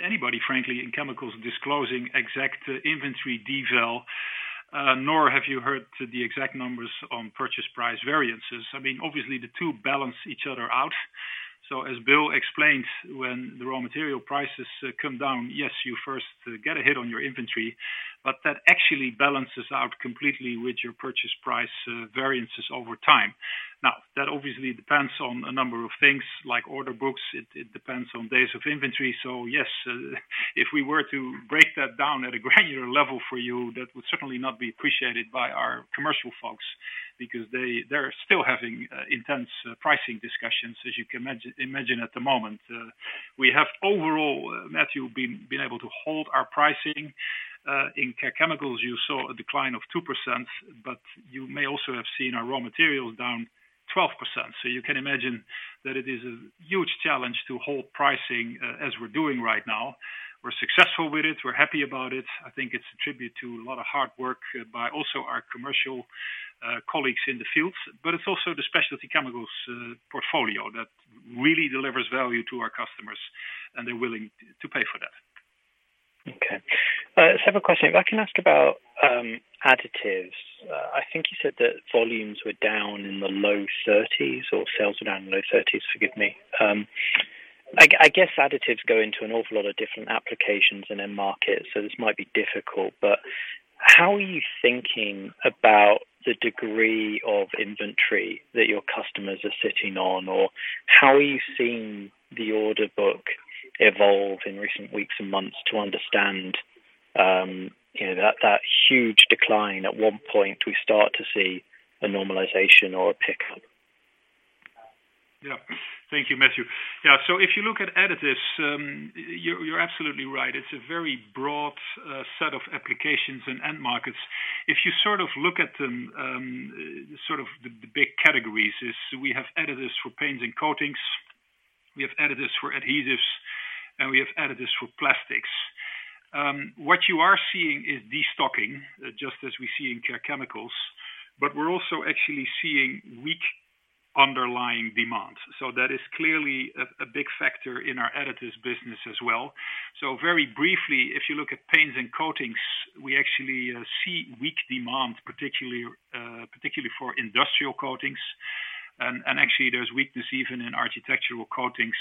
C: anybody, frankly, in chemicals disclosing exact inventory deval, nor have you heard the exact numbers on purchase price variances. I mean, obviously, the two balance each other out. As Bill explained, when the raw material prices come down, yes, you first get a hit on your inventory, but that actually balances out completely with your purchase price variances over time. That obviously depends on a number of things, like order books. It, it depends on days of inventory. Yes, if we were to break that down at a granular level for you, that would certainly not be appreciated by our commercial folks because they're still having intense pricing discussions, as you can imagine at the moment. We have overall, Matthew, been able to hold our pricing. In care chemicals, you saw a decline of 2%, but you may also have seen our raw materials down 12%. You can imagine that it is a huge challenge to hold pricing as we're doing right now. We're successful with it. We're happy about it. I think it's a tribute to a lot of hard work by also our commercial colleagues in the fields, but it's also the specialty chemicals portfolio that really delivers value to our customers, and they're willing to pay for that.
G: Okay. Several questions. If I can ask about additives. I think you said that volumes were down in the low 30s or sales were down in the low 30s, forgive me. I, I guess additives go into an awful lot of different applications and end markets, so this might be difficult, but how are you thinking about the degree of inventory that your customers are sitting on? Or how are you seeing the order book evolve in recent weeks and months to understand, you know, that, that huge decline at one point, we start to see a normalization or a pickup?
C: Yeah. Thank you, Matthew. Yeah, if you look at additives, you're, you're absolutely right. It's a very broad set of applications and end markets. If you sort of look at them, sort of the, the big categories is we have additives for paints and coatings, we have additives for adhesives, and we have additives for plastics. What you are seeing is destocking, just as we see in care chemicals, we're also actually seeing weak underlying demand. That is clearly a, a big factor in our additives business as well. Very briefly, if you look at paints and coatings, we actually see weak demand, particularly, particularly for industrial coatings. Actually there's weakness even in architectural coatings,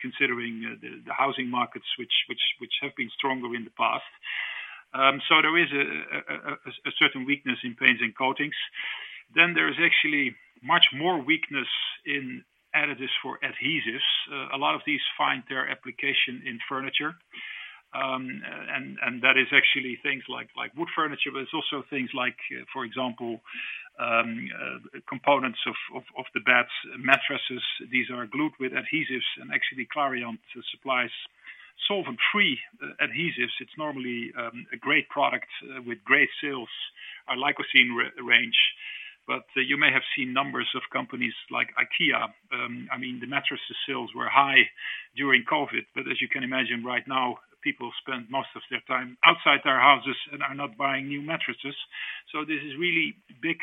C: considering the, the housing markets, which, which, which have been stronger in the past. There is a certain weakness in paints and coatings. There is actually much more weakness in additives for adhesives. A lot of these find their application in furniture, and that is actually things like wood furniture, but it's also things like, for example, components of the beds, mattresses. These are glued with adhesives, and actually Clariant supplies solvent-free adhesives. It's normally a great product with great sales, our Lyocell range. You may have seen numbers of companies like IKEA. I mean, the mattresses sales were high during COVID, as you can imagine, right now, people spend most of their time outside their houses and are not buying new mattresses. This is really big.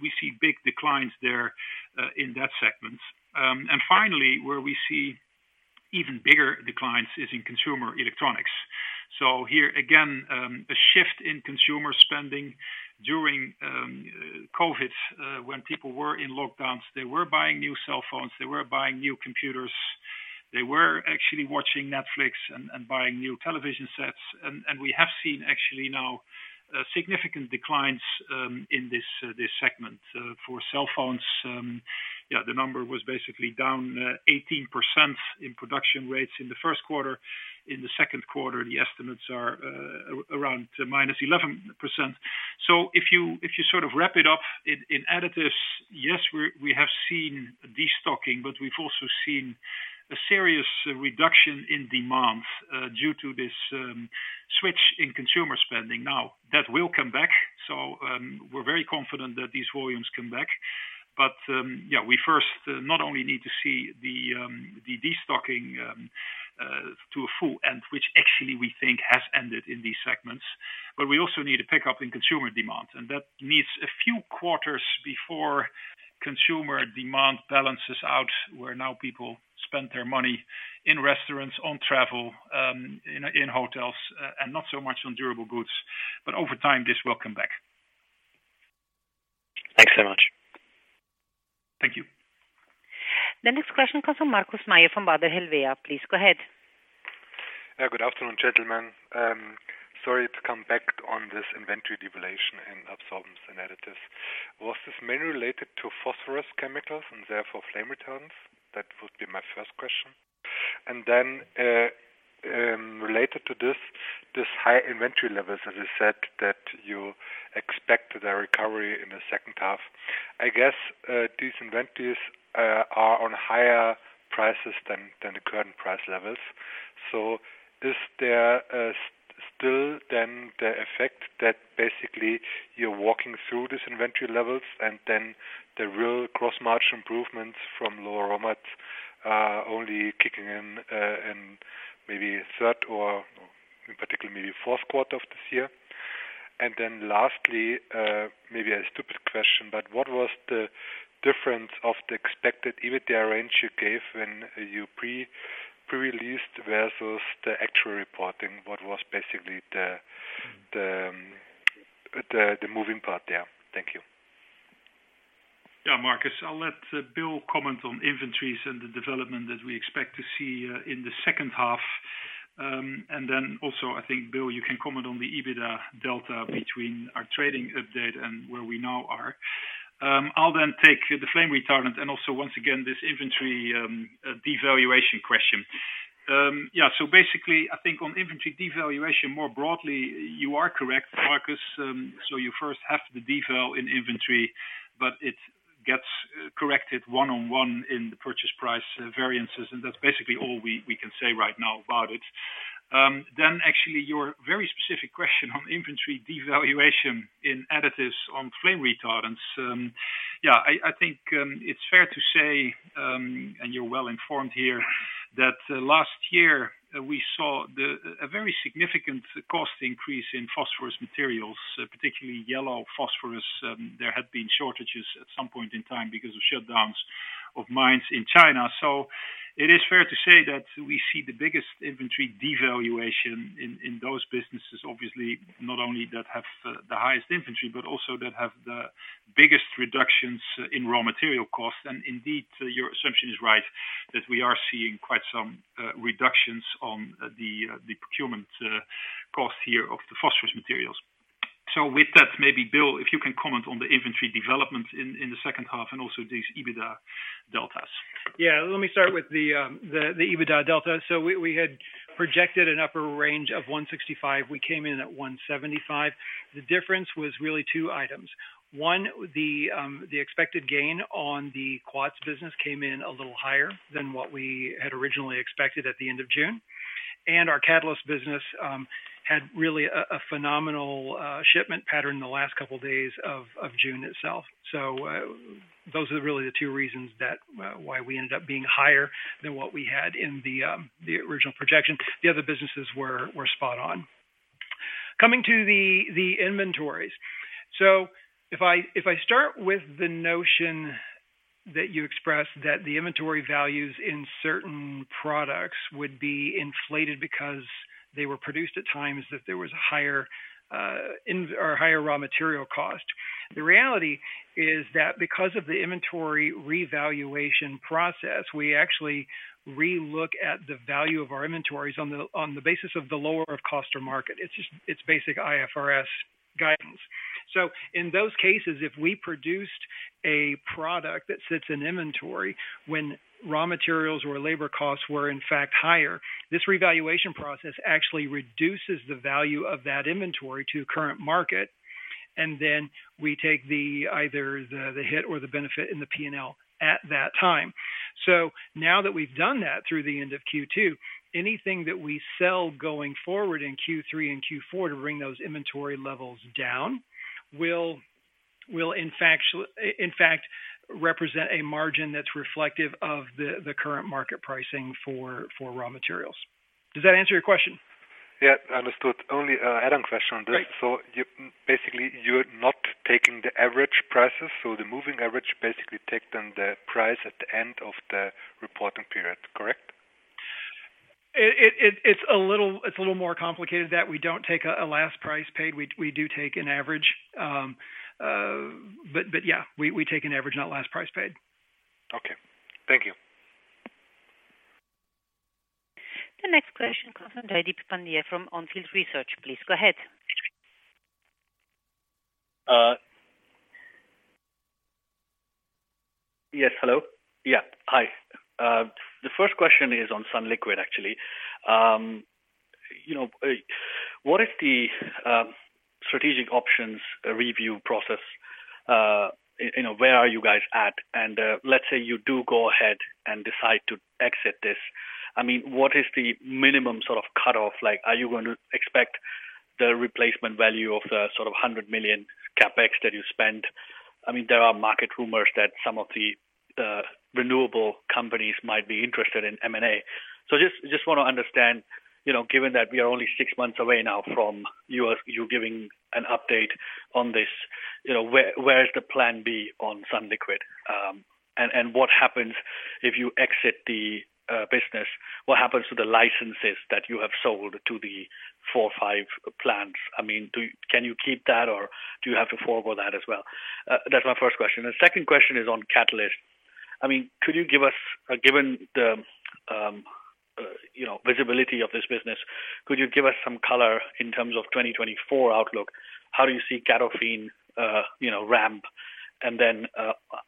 C: We see big declines there in that segment. Finally, where we see even bigger declines is in consumer electronics. Here, again, a shift in consumer spending during COVID, when people were in lockdowns, they were buying new cell phones, they were buying new computers, they were actually watching Netflix and, and buying new television sets. We have seen actually now significant declines in this segment for cell phones. The number was basically down 18% in production rates in the first quarter. In the second quarter, the estimates are around -11%. If you sort of wrap it up in additives, yes, we have seen destocking, but we've also seen a serious reduction in demand due to this switch in consumer spending. That will come back, so, we're very confident that these volumes come back. Yeah, we first not only need to see the destocking to a full end, which actually we think has ended in these segments, but we also need a pickup in consumer demand, and that needs a few quarters before consumer demand balances out, where now people spend their money in restaurants, on travel, in hotels, and not so much on durable goods. Over time, this will come back.
G: Thanks so much.
C: Thank you.
A: The next question comes from Markus Mayer, from Baader Helvea. Please go ahead.
H: Good afternoon, gentlemen. Sorry to come back on this inventory devaluation in absorbents and additives. Was this mainly related to phosphorus chemicals and therefore flame retardants? That would be my first question. Related to this, this high inventory levels, as you said, that you expect the recovery in the second half. I guess these inventories are on higher prices than the current price levels. Is there still then the effect that basically you're walking through these inventory levels, and then the real cross-margin improvements from lower raw materials only kicking in maybe third or in particular, maybe fourth quarter of this year? Lastly, maybe a stupid question, but what was the difference of the expected EBITDA range you gave when you pre-released versus the actual reporting? What was basically the moving part there? Thank you.
C: Yeah, Markus, I'll let Bill comment on inventories and the development that we expect to see in the second half. Then also, I think, Bill, you can comment on the EBITDA delta between our trading update and where we now are. I'll then take the flame retardant and also, once again, this inventory devaluation question. Yeah, so basically, I think on inventory devaluation, more broadly, you are correct, Markus. You first have the deval in inventory, but it gets corrected one-on-one in the purchase price variances, and that's basically all we, we can say right now about it. Actually, your very specific question on inventory devaluation in additives on flame retardants... Yeah, I, I think it's fair to say, and you're well informed here, that last year we saw the a very significant cost increase in phosphorus materials, particularly yellow phosphorus. There had been shortages at some point in time because of shutdowns of mines in China. It is fair to say that we see the biggest inventory devaluation in those businesses. Obviously, not only that have the the highest inventory, but also that have the biggest reductions in raw material costs. Indeed, your assumption is right, that we are seeing quite some reductions on the the procurement cost here of the phosphorus materials. With that, maybe, Bill, if you can comment on the inventory development in the second half and also these EBITDA deltas.
D: Yeah, let me start with the, the EBITDA delta. We, we had projected an upper range of 165. We came in at 175. The difference was really two items. One, the, the expected gain on the quats business came in a little higher than what we had originally expected at the end of June. Our catalyst business had really a phenomenal shipment pattern in the last couple of days of June itself. Those are really the two reasons that why we ended up being higher than what we had in the original projection. The other businesses were, were spot on. Coming to the, the inventories. If I, if I start with the notion that you expressed that the inventory values in certain products would be inflated because they were produced at times, that there was higher, or higher raw material cost. The reality is that because of the inventory revaluation process, we actually relook at the value of our inventories on the, on the basis of the lower of cost or market. It's just, it's basic IFRS guidance. In those cases, if we produced a product that sits in inventory, when raw materials or labor costs were in fact higher, this revaluation process actually reduces the value of that inventory to current market, and then we take the, either the, the hit or the benefit in the P&L at that time. Now that we've done that through the end of Q2, anything that we sell going forward in Q3 and Q4 to bring those inventory levels down, will, will in fact, in fact, represent a margin that's reflective of the, the current market pricing for, for raw materials. Does that answer your question?
H: Yeah, understood. Only, add-on question on this.
D: Great.
H: You, basically, you're not taking the average prices, so the moving average basically take then the price at the end of the reporting period, correct?
D: It, it, it's a little, it's a little more complicated that we don't take a, a last price paid. We, we do take an average, but yeah, we, we take an average, not last price paid.
H: Okay. Thank you.
A: The next question comes from Jaideep Pandya from On Field Research. Please go ahead.
I: Yes, hello? Yeah, hi. The first question is on Sunliquid, actually. You know, what is the strategic options review process? You know, where are you guys at? Let's say you do go ahead and decide to exit this. I mean, what is the minimum sort of cut-off like? Are you going to expect the replacement value of the sort of $100 million CapEx that you spent? I mean, there are market rumors that some of the, the renewable companies might be interested in M&A. Just, just want to understand, you know, given that we are only six months away now from you, you giving an update on this, you know, where, where is the plan B on Sunliquid? What happens if you exit the business? What happens to the licenses that you have sold to the 4 or 5 plants? I mean, can you keep that, or do you have to forgo that as well? That's my first question. The second question is on Catalyst. I mean, could you give us, given the, you know, visibility of this business, could you give us some color in terms of 2024 outlook? How do you see CATOFIN, you know, ramp? Then,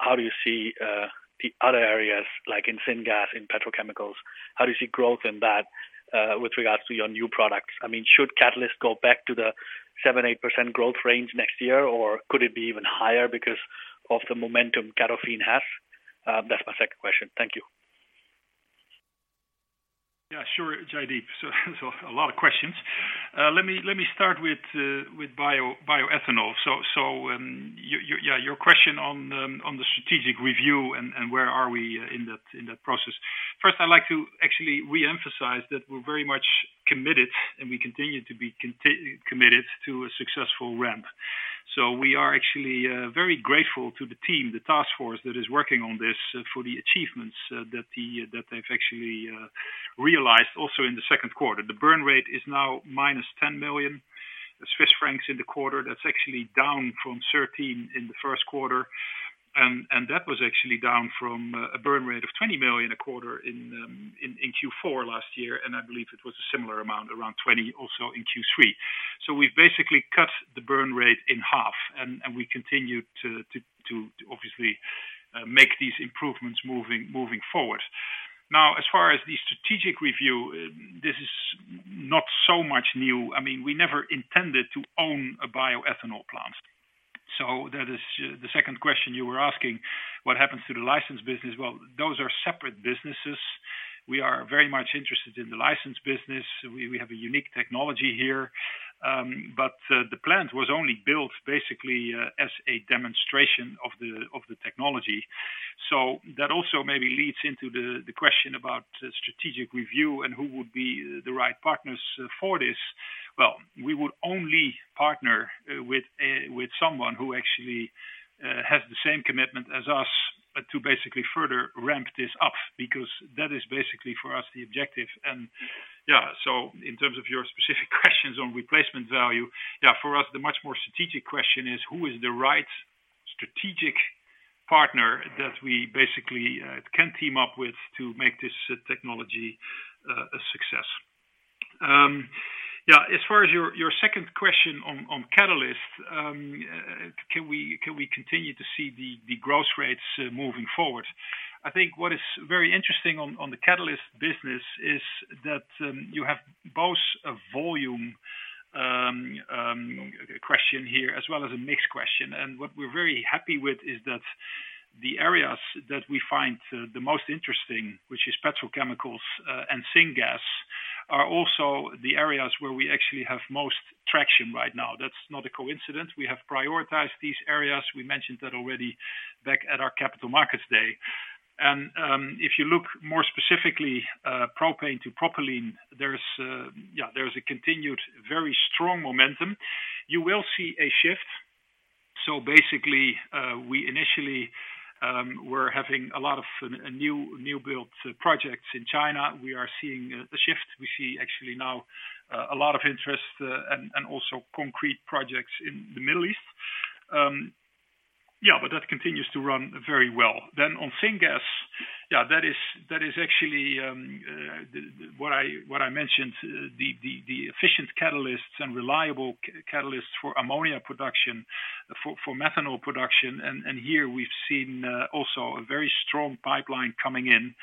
I: how do you see the other areas, like in syngas, in petrochemicals, how do you see growth in that with regards to your new products? I mean, should Catalyst go back to the 7%-8% growth range next year, or could it be even higher because of the momentum CATOFIN has? That's my second question. Thank you.
C: Yeah, sure, Jaideep. A lot of questions. Let me, let me start with bio, bioethanol. Yeah, your question on the strategic review and where are we in that, in that process? First, I'd like to actually reemphasize that we're very much committed, and we continue to be committed to a successful ramp. We are actually very grateful to the team, the task force that is working on this, for the achievements that they've actually realized also in the second quarter. The burn rate is now minus 10 million Swiss francs in the quarter. That's actually down from $13 million in the first quarter, that was actually down from a burn rate of $20 million a quarter in Q4 last year, and I believe it was a similar amount around $20 million, also in Q3. We've basically cut the burn rate in half, we continue to obviously make these improvements moving forward. As far as the strategic review, this is not so much new. I mean, we never intended to own a bioethanol plant. That is the second question you were asking, what happens to the license business? Well, those are separate businesses. We are very much interested in the license business. We have a unique technology here, the plant was only built basically as a demonstration of the technology. That also maybe leads into the question about strategic review and who would be the right partners for this. Well, we would only partner with someone who actually has the same commitment as us to basically further ramp this up, because that is basically, for us, the objective. Yeah, so in terms of your specific questions on replacement value, yeah, for us, the much more strategic question is: Who is the right strategic partner that we basically can team up with to make this technology a success? Yeah, as far as your, your second question on, on catalysts, can we, can we continue to see the growth rates moving forward? I think what is very interesting on, on the Catalyst business is that you have both a volume question here as well as a mix question. What we're very happy with is that the areas that we find the most interesting, which is petrochemicals and syngas, are also the areas where we actually have most traction right now. That's not a coincidence. We have prioritized these areas. We mentioned that already back at our Capital Markets Day. If you look more specifically, propane to propylene, there's, yeah, there's a continued very strong momentum. You will see a shift. Basically, we initially were having a lot of a new, new built projects in China. We are seeing a shift. We see actually now a lot of interest, and also concrete projects in the Middle East. That continues to run very well. On syngas, yeah, that is, that is actually what I mentioned, the efficient catalysts and reliable catalysts for ammonia production, for methanol production, and here we've seen also a very strong pipeline coming in.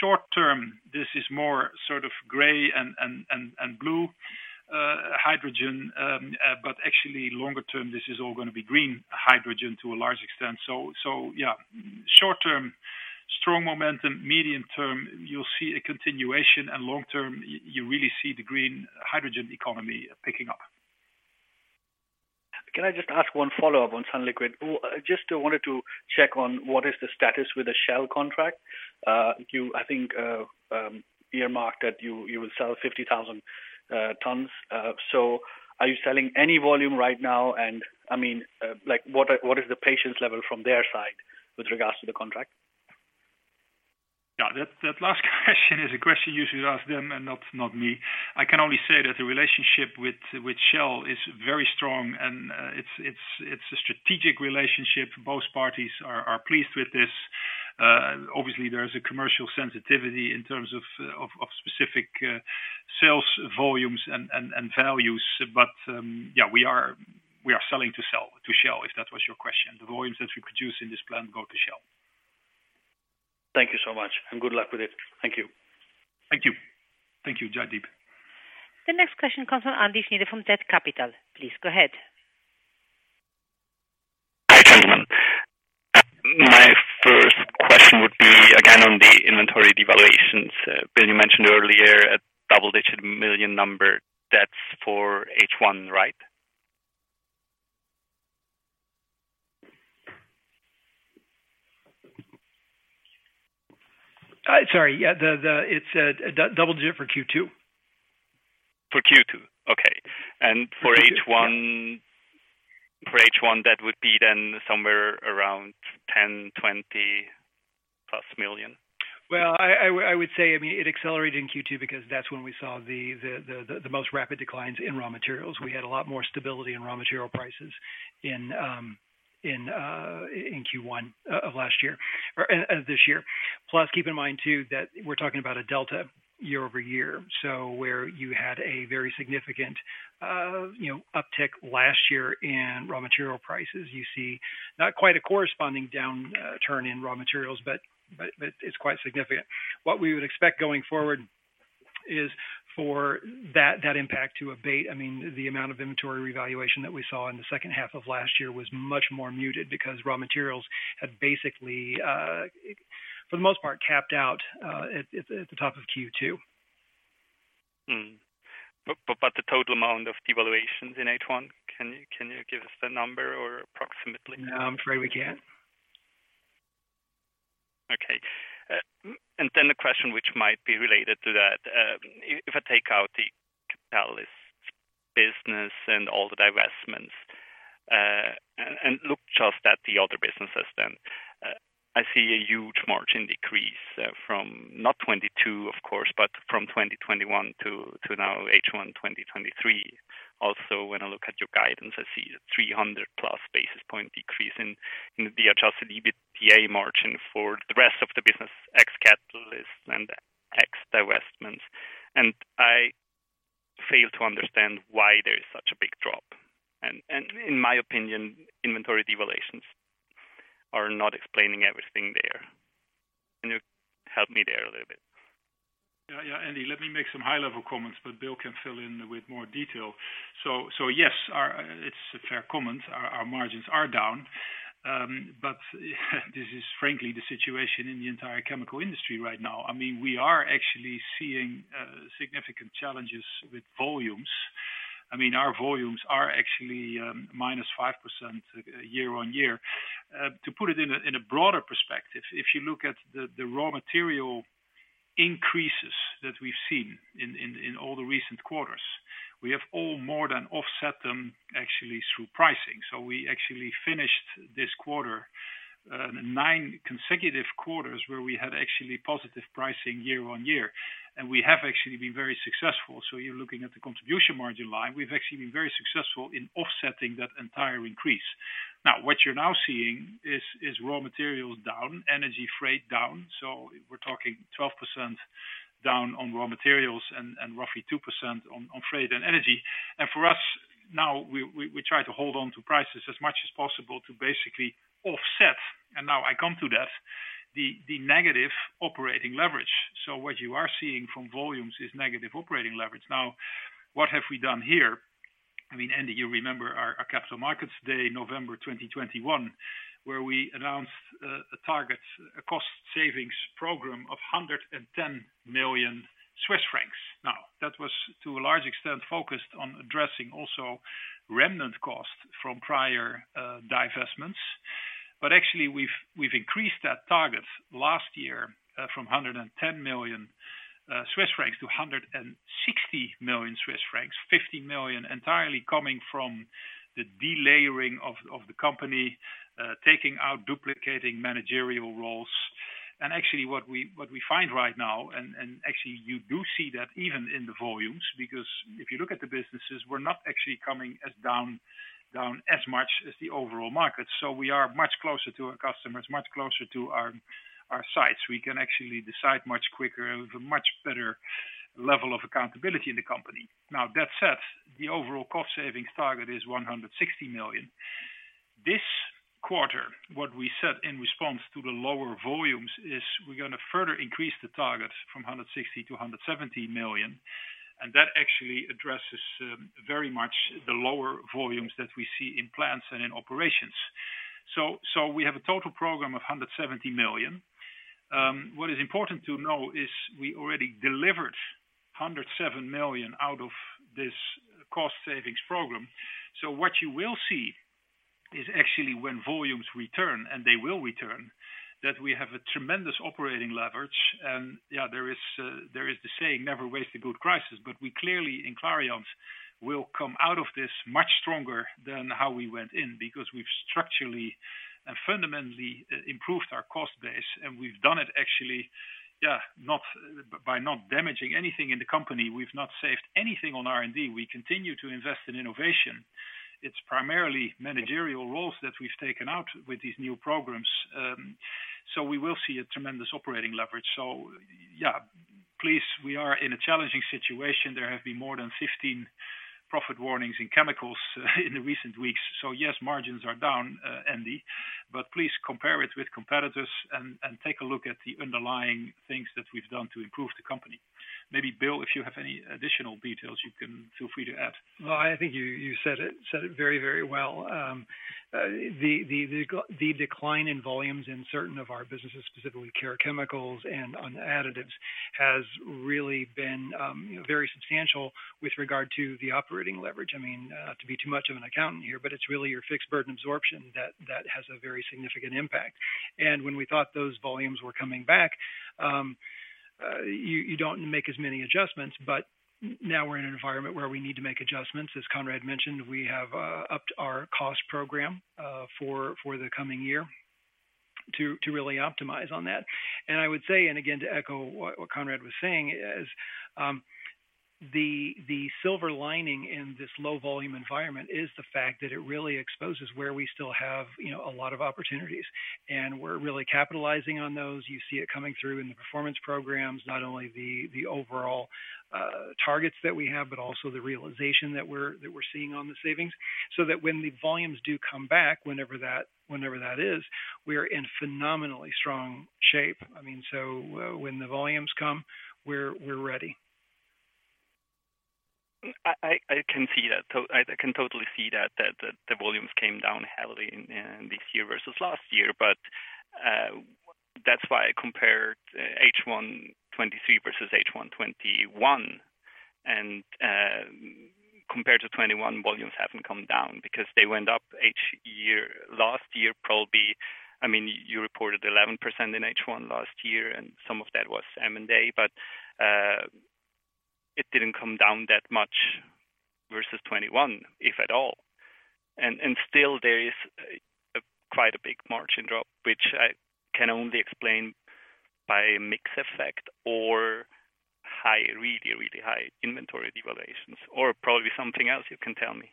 C: Short term, this is more sort of gray and blue hydrogen, but actually longer term, this is all gonna be green hydrogen to a large extent. Yeah, short term, strong momentum, medium term, you'll see a continuation, and long term, you really see the green hydrogen economy picking up.
I: Can I just ask one follow-up on Sunliquid? Just wanted to check on what is the status with the Shell contract. You, I think, earmarked that you, you will sell 50,000 tons. Are you selling any volume right now? I mean, like, what is the patience level from their side with regards to the contract?
C: Yeah, that, that last question is a question you should ask them and not, not me. I can only say that the relationship with, with Shell is very strong, and it's, it's, it's a strategic relationship. Both parties are, are pleased with this. Obviously, there is a commercial sensitivity in terms of, of, of specific sales volumes and, and, and values, but, yeah, we are, we are selling to sell-- to Shell, if that was your question. The volumes that we produce in this plant go to Shell.
I: Thank you so much, and good luck with it. Thank you.
C: Thank you. Thank you, Jaideep.
A: The next question comes from Andy Schneider from DED Capital. Please go ahead.
J: Hi, gentlemen. My first question would be, again, on the inventory devaluations. Bill, you mentioned earlier a double-digit million number. That's for H1, right?
D: Sorry, yeah, the, it's double digit for Q2.
J: For Q2, okay.
D: For Q2, yeah.
J: for H1, for H1, that would be then somewhere around 10 million, 20+ million?
D: Well, I, I, I would say, I mean, it accelerated in Q2 because that's when we saw the most rapid declines in raw materials. We had a lot more stability in raw material prices in Q1 of last year, this year. Plus, keep in mind, too, that we're talking about a delta year-over-year, so where you had a very significant, you know, uptick last year in raw material prices, you see not quite a corresponding down turn in raw materials, but, but, but it's quite significant. What we would expect going forward is for that, that impact to abate. I mean, the amount of inventory revaluation that we saw in the second half of last year was much more muted because raw materials had basically, for the most part, capped out at the top of Q2.
J: The total amount of devaluations in H1, can you give us the number or approximately?
D: No, I'm afraid we can't.
K: Okay. The question which might be related to that, if, if I take out the Catalyst business and all the divestments, and look just at the other businesses then, I see a huge margin decrease, from not 2022, of course, but from 2021 to, to now, H1 2023. When I look at your guidance, I see a 300+ basis point decrease in, in the adjusted EBITDA margin for the rest of the business, ex Catalyst and ex divestments, and I fail to understand why there is such a big drop. In my opinion, inventory devaluations are not explaining everything there. Can you help me there a little bit?
C: Yeah, yeah, Andy, let me make some high level comments, but Bill can fill in with more detail. Yes, our, it's a fair comment. Our, our margins are down, this is frankly, the situation in the entire chemical industry right now. I mean, we are actually seeing significant challenges with volumes. I mean, our volumes are actually minus 5% year-on-year. To put it in a, in a broader perspective, if you look at the, the raw material increases that we've seen in, in, in all the recent quarters, we have all more than offset them actually through pricing. We actually finished this quarter, nine consecutive quarters, where we had actually positive pricing year-on-year, and we have actually been very successful. You're looking at the contribution margin line. We've actually been very successful in offsetting that entire increase. what you're now seeing is, is raw materials down, energy freight down, so we're talking 12% down on raw materials and roughly 2% on freight and energy. for us, now, we try to hold on to prices as much as possible to basically offset, and now I come to that, the negative operating leverage. what you are seeing from volumes is negative operating leverage. what have we done here? I mean, Andy, you remember our capital markets day, November 2021, where we announced a target, a cost savings program of 110 million Swiss francs. that was, to a large extent, focused on addressing also remnant costs from prior divestments. Actually, we've, we've increased that target last year, from 110 million Swiss francs to 160 million Swiss francs, 50 million entirely coming from the delayering of the company, taking out duplicating managerial roles. Actually, what we, what we find right now, and, and actually, you do see that even in the volumes, because if you look at the businesses, we're not actually coming as down, down as much as the overall market. We are much closer to our customers, much closer to our, our sites. We can actually decide much quicker and with a much better level of accountability in the company. That said, the overall cost savings target is 160 million. This quarter, what we said in response to the lower volumes is we're gonna further increase the target from 160 to 170 million, and that actually addresses very much the lower volumes that we see in plants and in operations. We have a total program of 170 million. What is important to know is we already delivered 107 million out of this cost savings program. What you will see is actually when volumes return, and they will return, that we have a tremendous operating leverage. Yeah, there is, there is the saying, "Never waste a good crisis," but we clearly, in Clariant's, will come out of this much stronger than how we went in, because we've structurally and fundamentally improved our cost base, and we've done it actually, yeah, not, by not damaging anything in the company. We've not saved anything on R&D. We continue to invest in innovation. It's primarily managerial roles that we've taken out with these new programs. We will see a tremendous operating leverage. Yeah, please, we are in a challenging situation. There have been more than 15 profit warnings in chemicals in the recent weeks. Yes, margins are down, Andy, but please compare it with competitors and, and take a look at the underlying things that we've done to improve the company. Maybe, Bill, if you have any additional details, you can feel free to add.
D: Well, I think you, you said it, said it very, very well. The decline in volumes in certain of our businesses, specifically care chemicals and on additives, has really been very substantial with regard to the operating leverage. I mean, not to be too much of an accountant here, but it's really your fixed burden absorption, that, that has a very significant impact. When we thought those volumes were coming back, you, you don't make as many adjustments, but now we're in an environment where we need to make adjustments. As Conrad mentioned, we have upped our cost program for, for the coming year to, to really optimize on that. I would say, and again, to echo what, what Conrad was saying is, the, the silver lining in this low volume environment is the fact that it really exposes where we still have, you know, a lot of opportunities, and we're really capitalizing on those. You see it coming through in the performance programs, not only the, the overall, targets that we have, but also the realization that we're, that we're seeing on the savings. That when the volumes do come back, whenever that, whenever that is, we are in phenomenally strong shape. I mean, when the volumes come, we're, we're ready.
K: I can see that. I can totally see that the volumes came down heavily in this year versus last year. That's why I compared H1 2023 versus H1 2021. Compared to 2021, volumes haven't come down because they went up each year. Last year, probably, I mean, you reported 11% in H1 last year, and some of that was M&A, it didn't come down that much versus 2021, if at all. Still there is a quite a big margin drop, which I can only explain by mix effect or high, really, really high inventory devaluations, or probably something else you can tell me.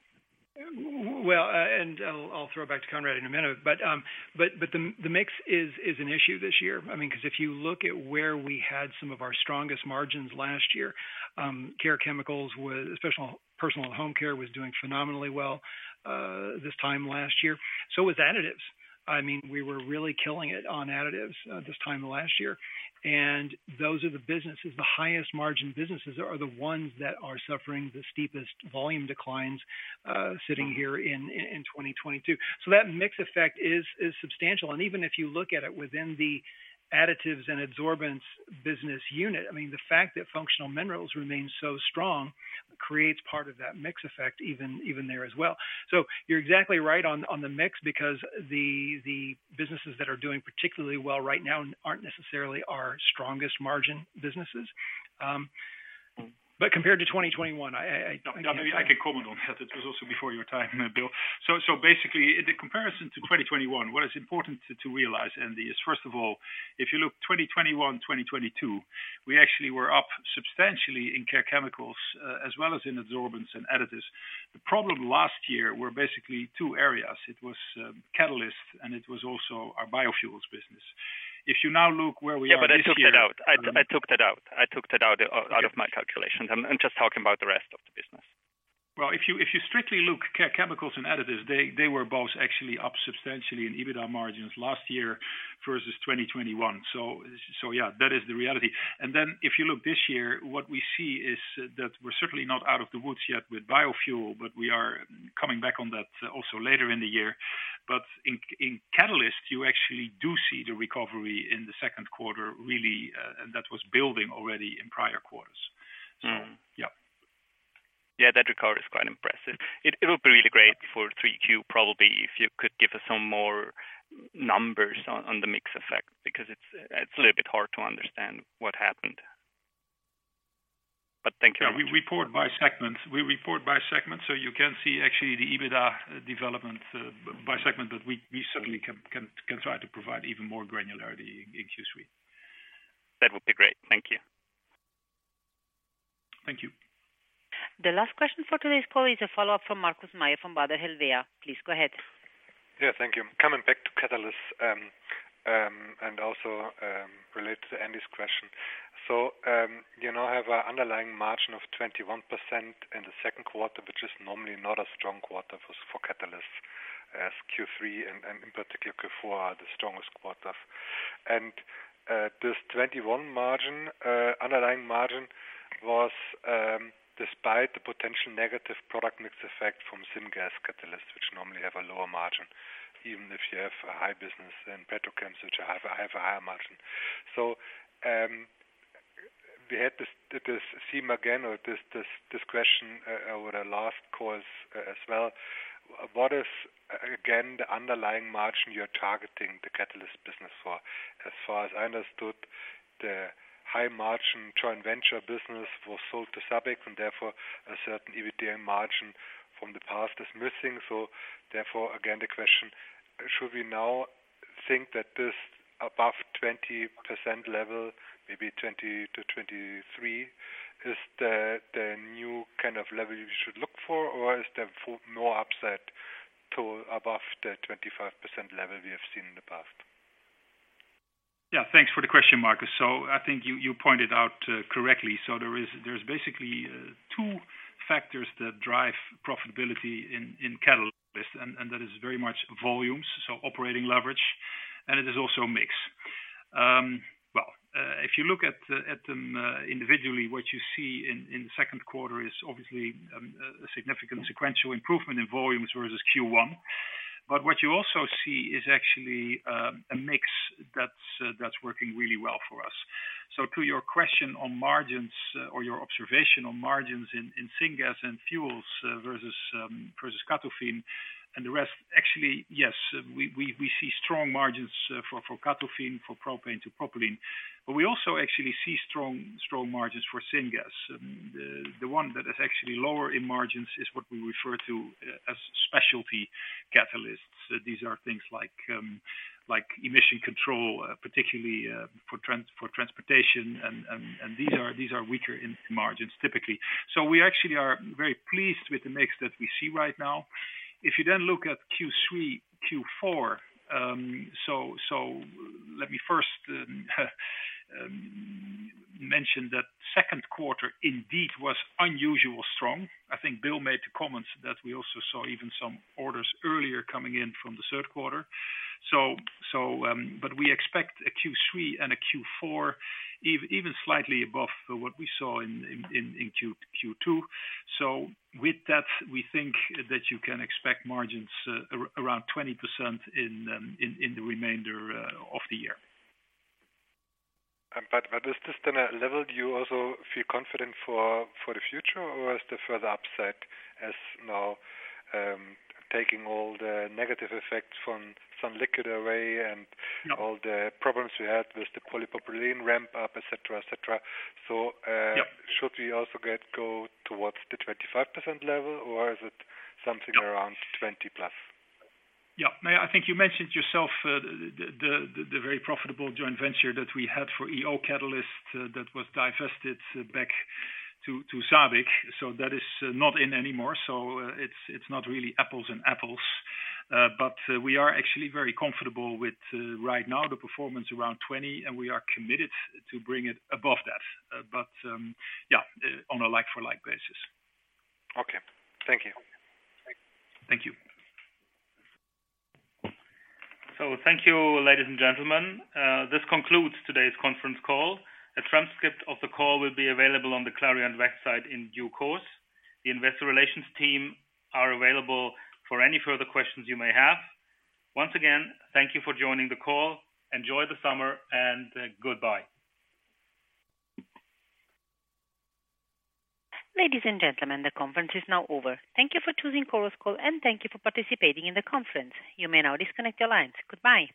D: Well, I'll, I'll throw it back to Conrad in a minute. The mix is, is an issue this year. I mean, 'cause if you look at where we had some of our strongest margins Last year, Care Chemicals was personal and home care was doing phenomenally well, this time last year. Was additives. I mean, we were really killing it on additives, this time last year. Those are the businesses. The highest margin businesses are the ones that are suffering the steepest volume declines, sitting here in, in, in 2022. That mix effect is, is substantial. Even if you look at it within the Additives and Absorbents Business Unit, I mean, the fact that functional minerals remain so strong creates part of that mix effect, even, even there as well. You're exactly right on, on the mix, because the, the businesses that are doing particularly well right now aren't necessarily our strongest margin businesses. Compared to 2021, I.
C: No, I can comment on that. It was also before your time, Bill. basically, in the comparison to 2021, what is important to, to realize, Andy, is, first of all, if you look 2021, 2022, we actually were up substantially in Care Chemicals, as well as in absorbents and additives. The problem last year were basically 2 areas. It was, catalysts, and it was also our biofuels business. If you now look where we are this year-
K: Yeah, I took that out. I took that out. I took that out of, out of my calculations. I'm just talking about the rest of the business.
C: Well, if you, if you strictly look Care Chemicals and additives, they, they were both actually up substantially in EBITDA margins last year versus 2021. Yeah, that is the reality. If you look this year, what we see is that we're certainly not out of the woods yet with biofuel, but we are coming back on that also later in the year. In, in catalysts, you actually do see the recovery in the second quarter, really, and that was building already in prior quarters.
K: Mm-hmm.
C: Yeah.
J: Yeah, that recovery is quite impressive. It'll be really great for 3Q, probably, if you could give us some more numbers on the mix effect, because it's, it's a little bit hard to understand what happened. Thank you very much.
C: We report by segment. We report by segment, so you can see actually the EBITDA development by segment, but we, we certainly can, can, can try to provide even more granularity in Q3.
J: That would be great. Thank you.
C: Thank you.
A: The last question for today's call is a follow-up from Markus Mayer, from Baader Helvea. Please go ahead.
H: Yeah, thank you. Coming back to catalysts, and also, related to Andy's question. You now have an underlying margin of 21% in the second quarter, which is normally not a strong quarter for catalysts as Q3 and in particular, Q4 are the strongest quarter. This 21% margin, underlying margin was despite the potential negative product mix effect from syngas catalyst, which normally have a lower margin, even if you have a high business in petrochem, which have a higher margin. We had this, this theme again, or this, this, this question over the last calls as well. What is, again, the underlying margin you're targeting the catalyst business for? As far as I understood, the high margin joint venture business was sold to SABIC, and therefore a certain EBITDA margin from the past is missing. Therefore, again, the question, should we now think that this above 20% level, maybe 20%-23%, is the, the new kind of level you should look for, or is there more upset to above the 25% level we have seen in the past?
C: Yeah, thanks for the question, Markus. I think you, you pointed out correctly. There is, there's basically 2 factors that drive profitability in catalyst, and that is very much volumes, so operating leverage, and it is also mix. Well, if you look at them individually, what you see in the second quarter is obviously a significant sequential improvement in volumes versus Q1. What you also see is actually a mix that's working really well for us. To your question on margins or your observation on margins in syngas and fuels, versus Catafin and the rest, actually, yes, we, we, we see strong margins for Catafin, for propane to propylene, but we also actually see strong, strong margins for syngas. The one that is actually lower in margins is what we refer to as specialty catalysts. These are things like emission control, particularly for transportation, and these are weaker in margins, typically. We actually are very pleased with the mix that we see right now. If you look at Q3, Q4, let me first mention that second quarter indeed was unusually strong. I think Bill made the comments that we also saw even some orders earlier coming in from the third quarter. But we expect a Q3 and a Q4, even slightly above what we saw in Q2. With that, we think that you can expect margins around 20% in the remainder of the year.
H: Is this the level you also feel confident for, for the future, or is the further upset as now, taking all the negative effects from Sunliquid away and.
C: No.
H: All the problems we had with the polypropylene ramp up, et cetera, et cetera.
C: Yeah.
H: Should we also get go towards the 25% level, or is it something around 20+?
C: Yeah. I think you mentioned yourself, the, the, the very profitable joint venture that we had for EO Catalyst that was divested back to, to SABIC. That is not in anymore. It's, it's not really apples and apples, but we are actually very comfortable with, right now, the performance around 20, and we are committed to bring it above that. Yeah, on a like for like basis.
H: Okay. Thank you.
C: Thank you.
B: Thank you, ladies and gentlemen. This concludes today's conference call. A transcript of the call will be available on the Clariant website in due course. The investor relations team are available for any further questions you may have. Once again, thank you for joining the call. Enjoy the summer, and goodbye.
A: Ladies and gentlemen, the conference is now over. Thank you for choosing Chorus Call, and thank you for participating in the conference. You may now disconnect your lines. Goodbye.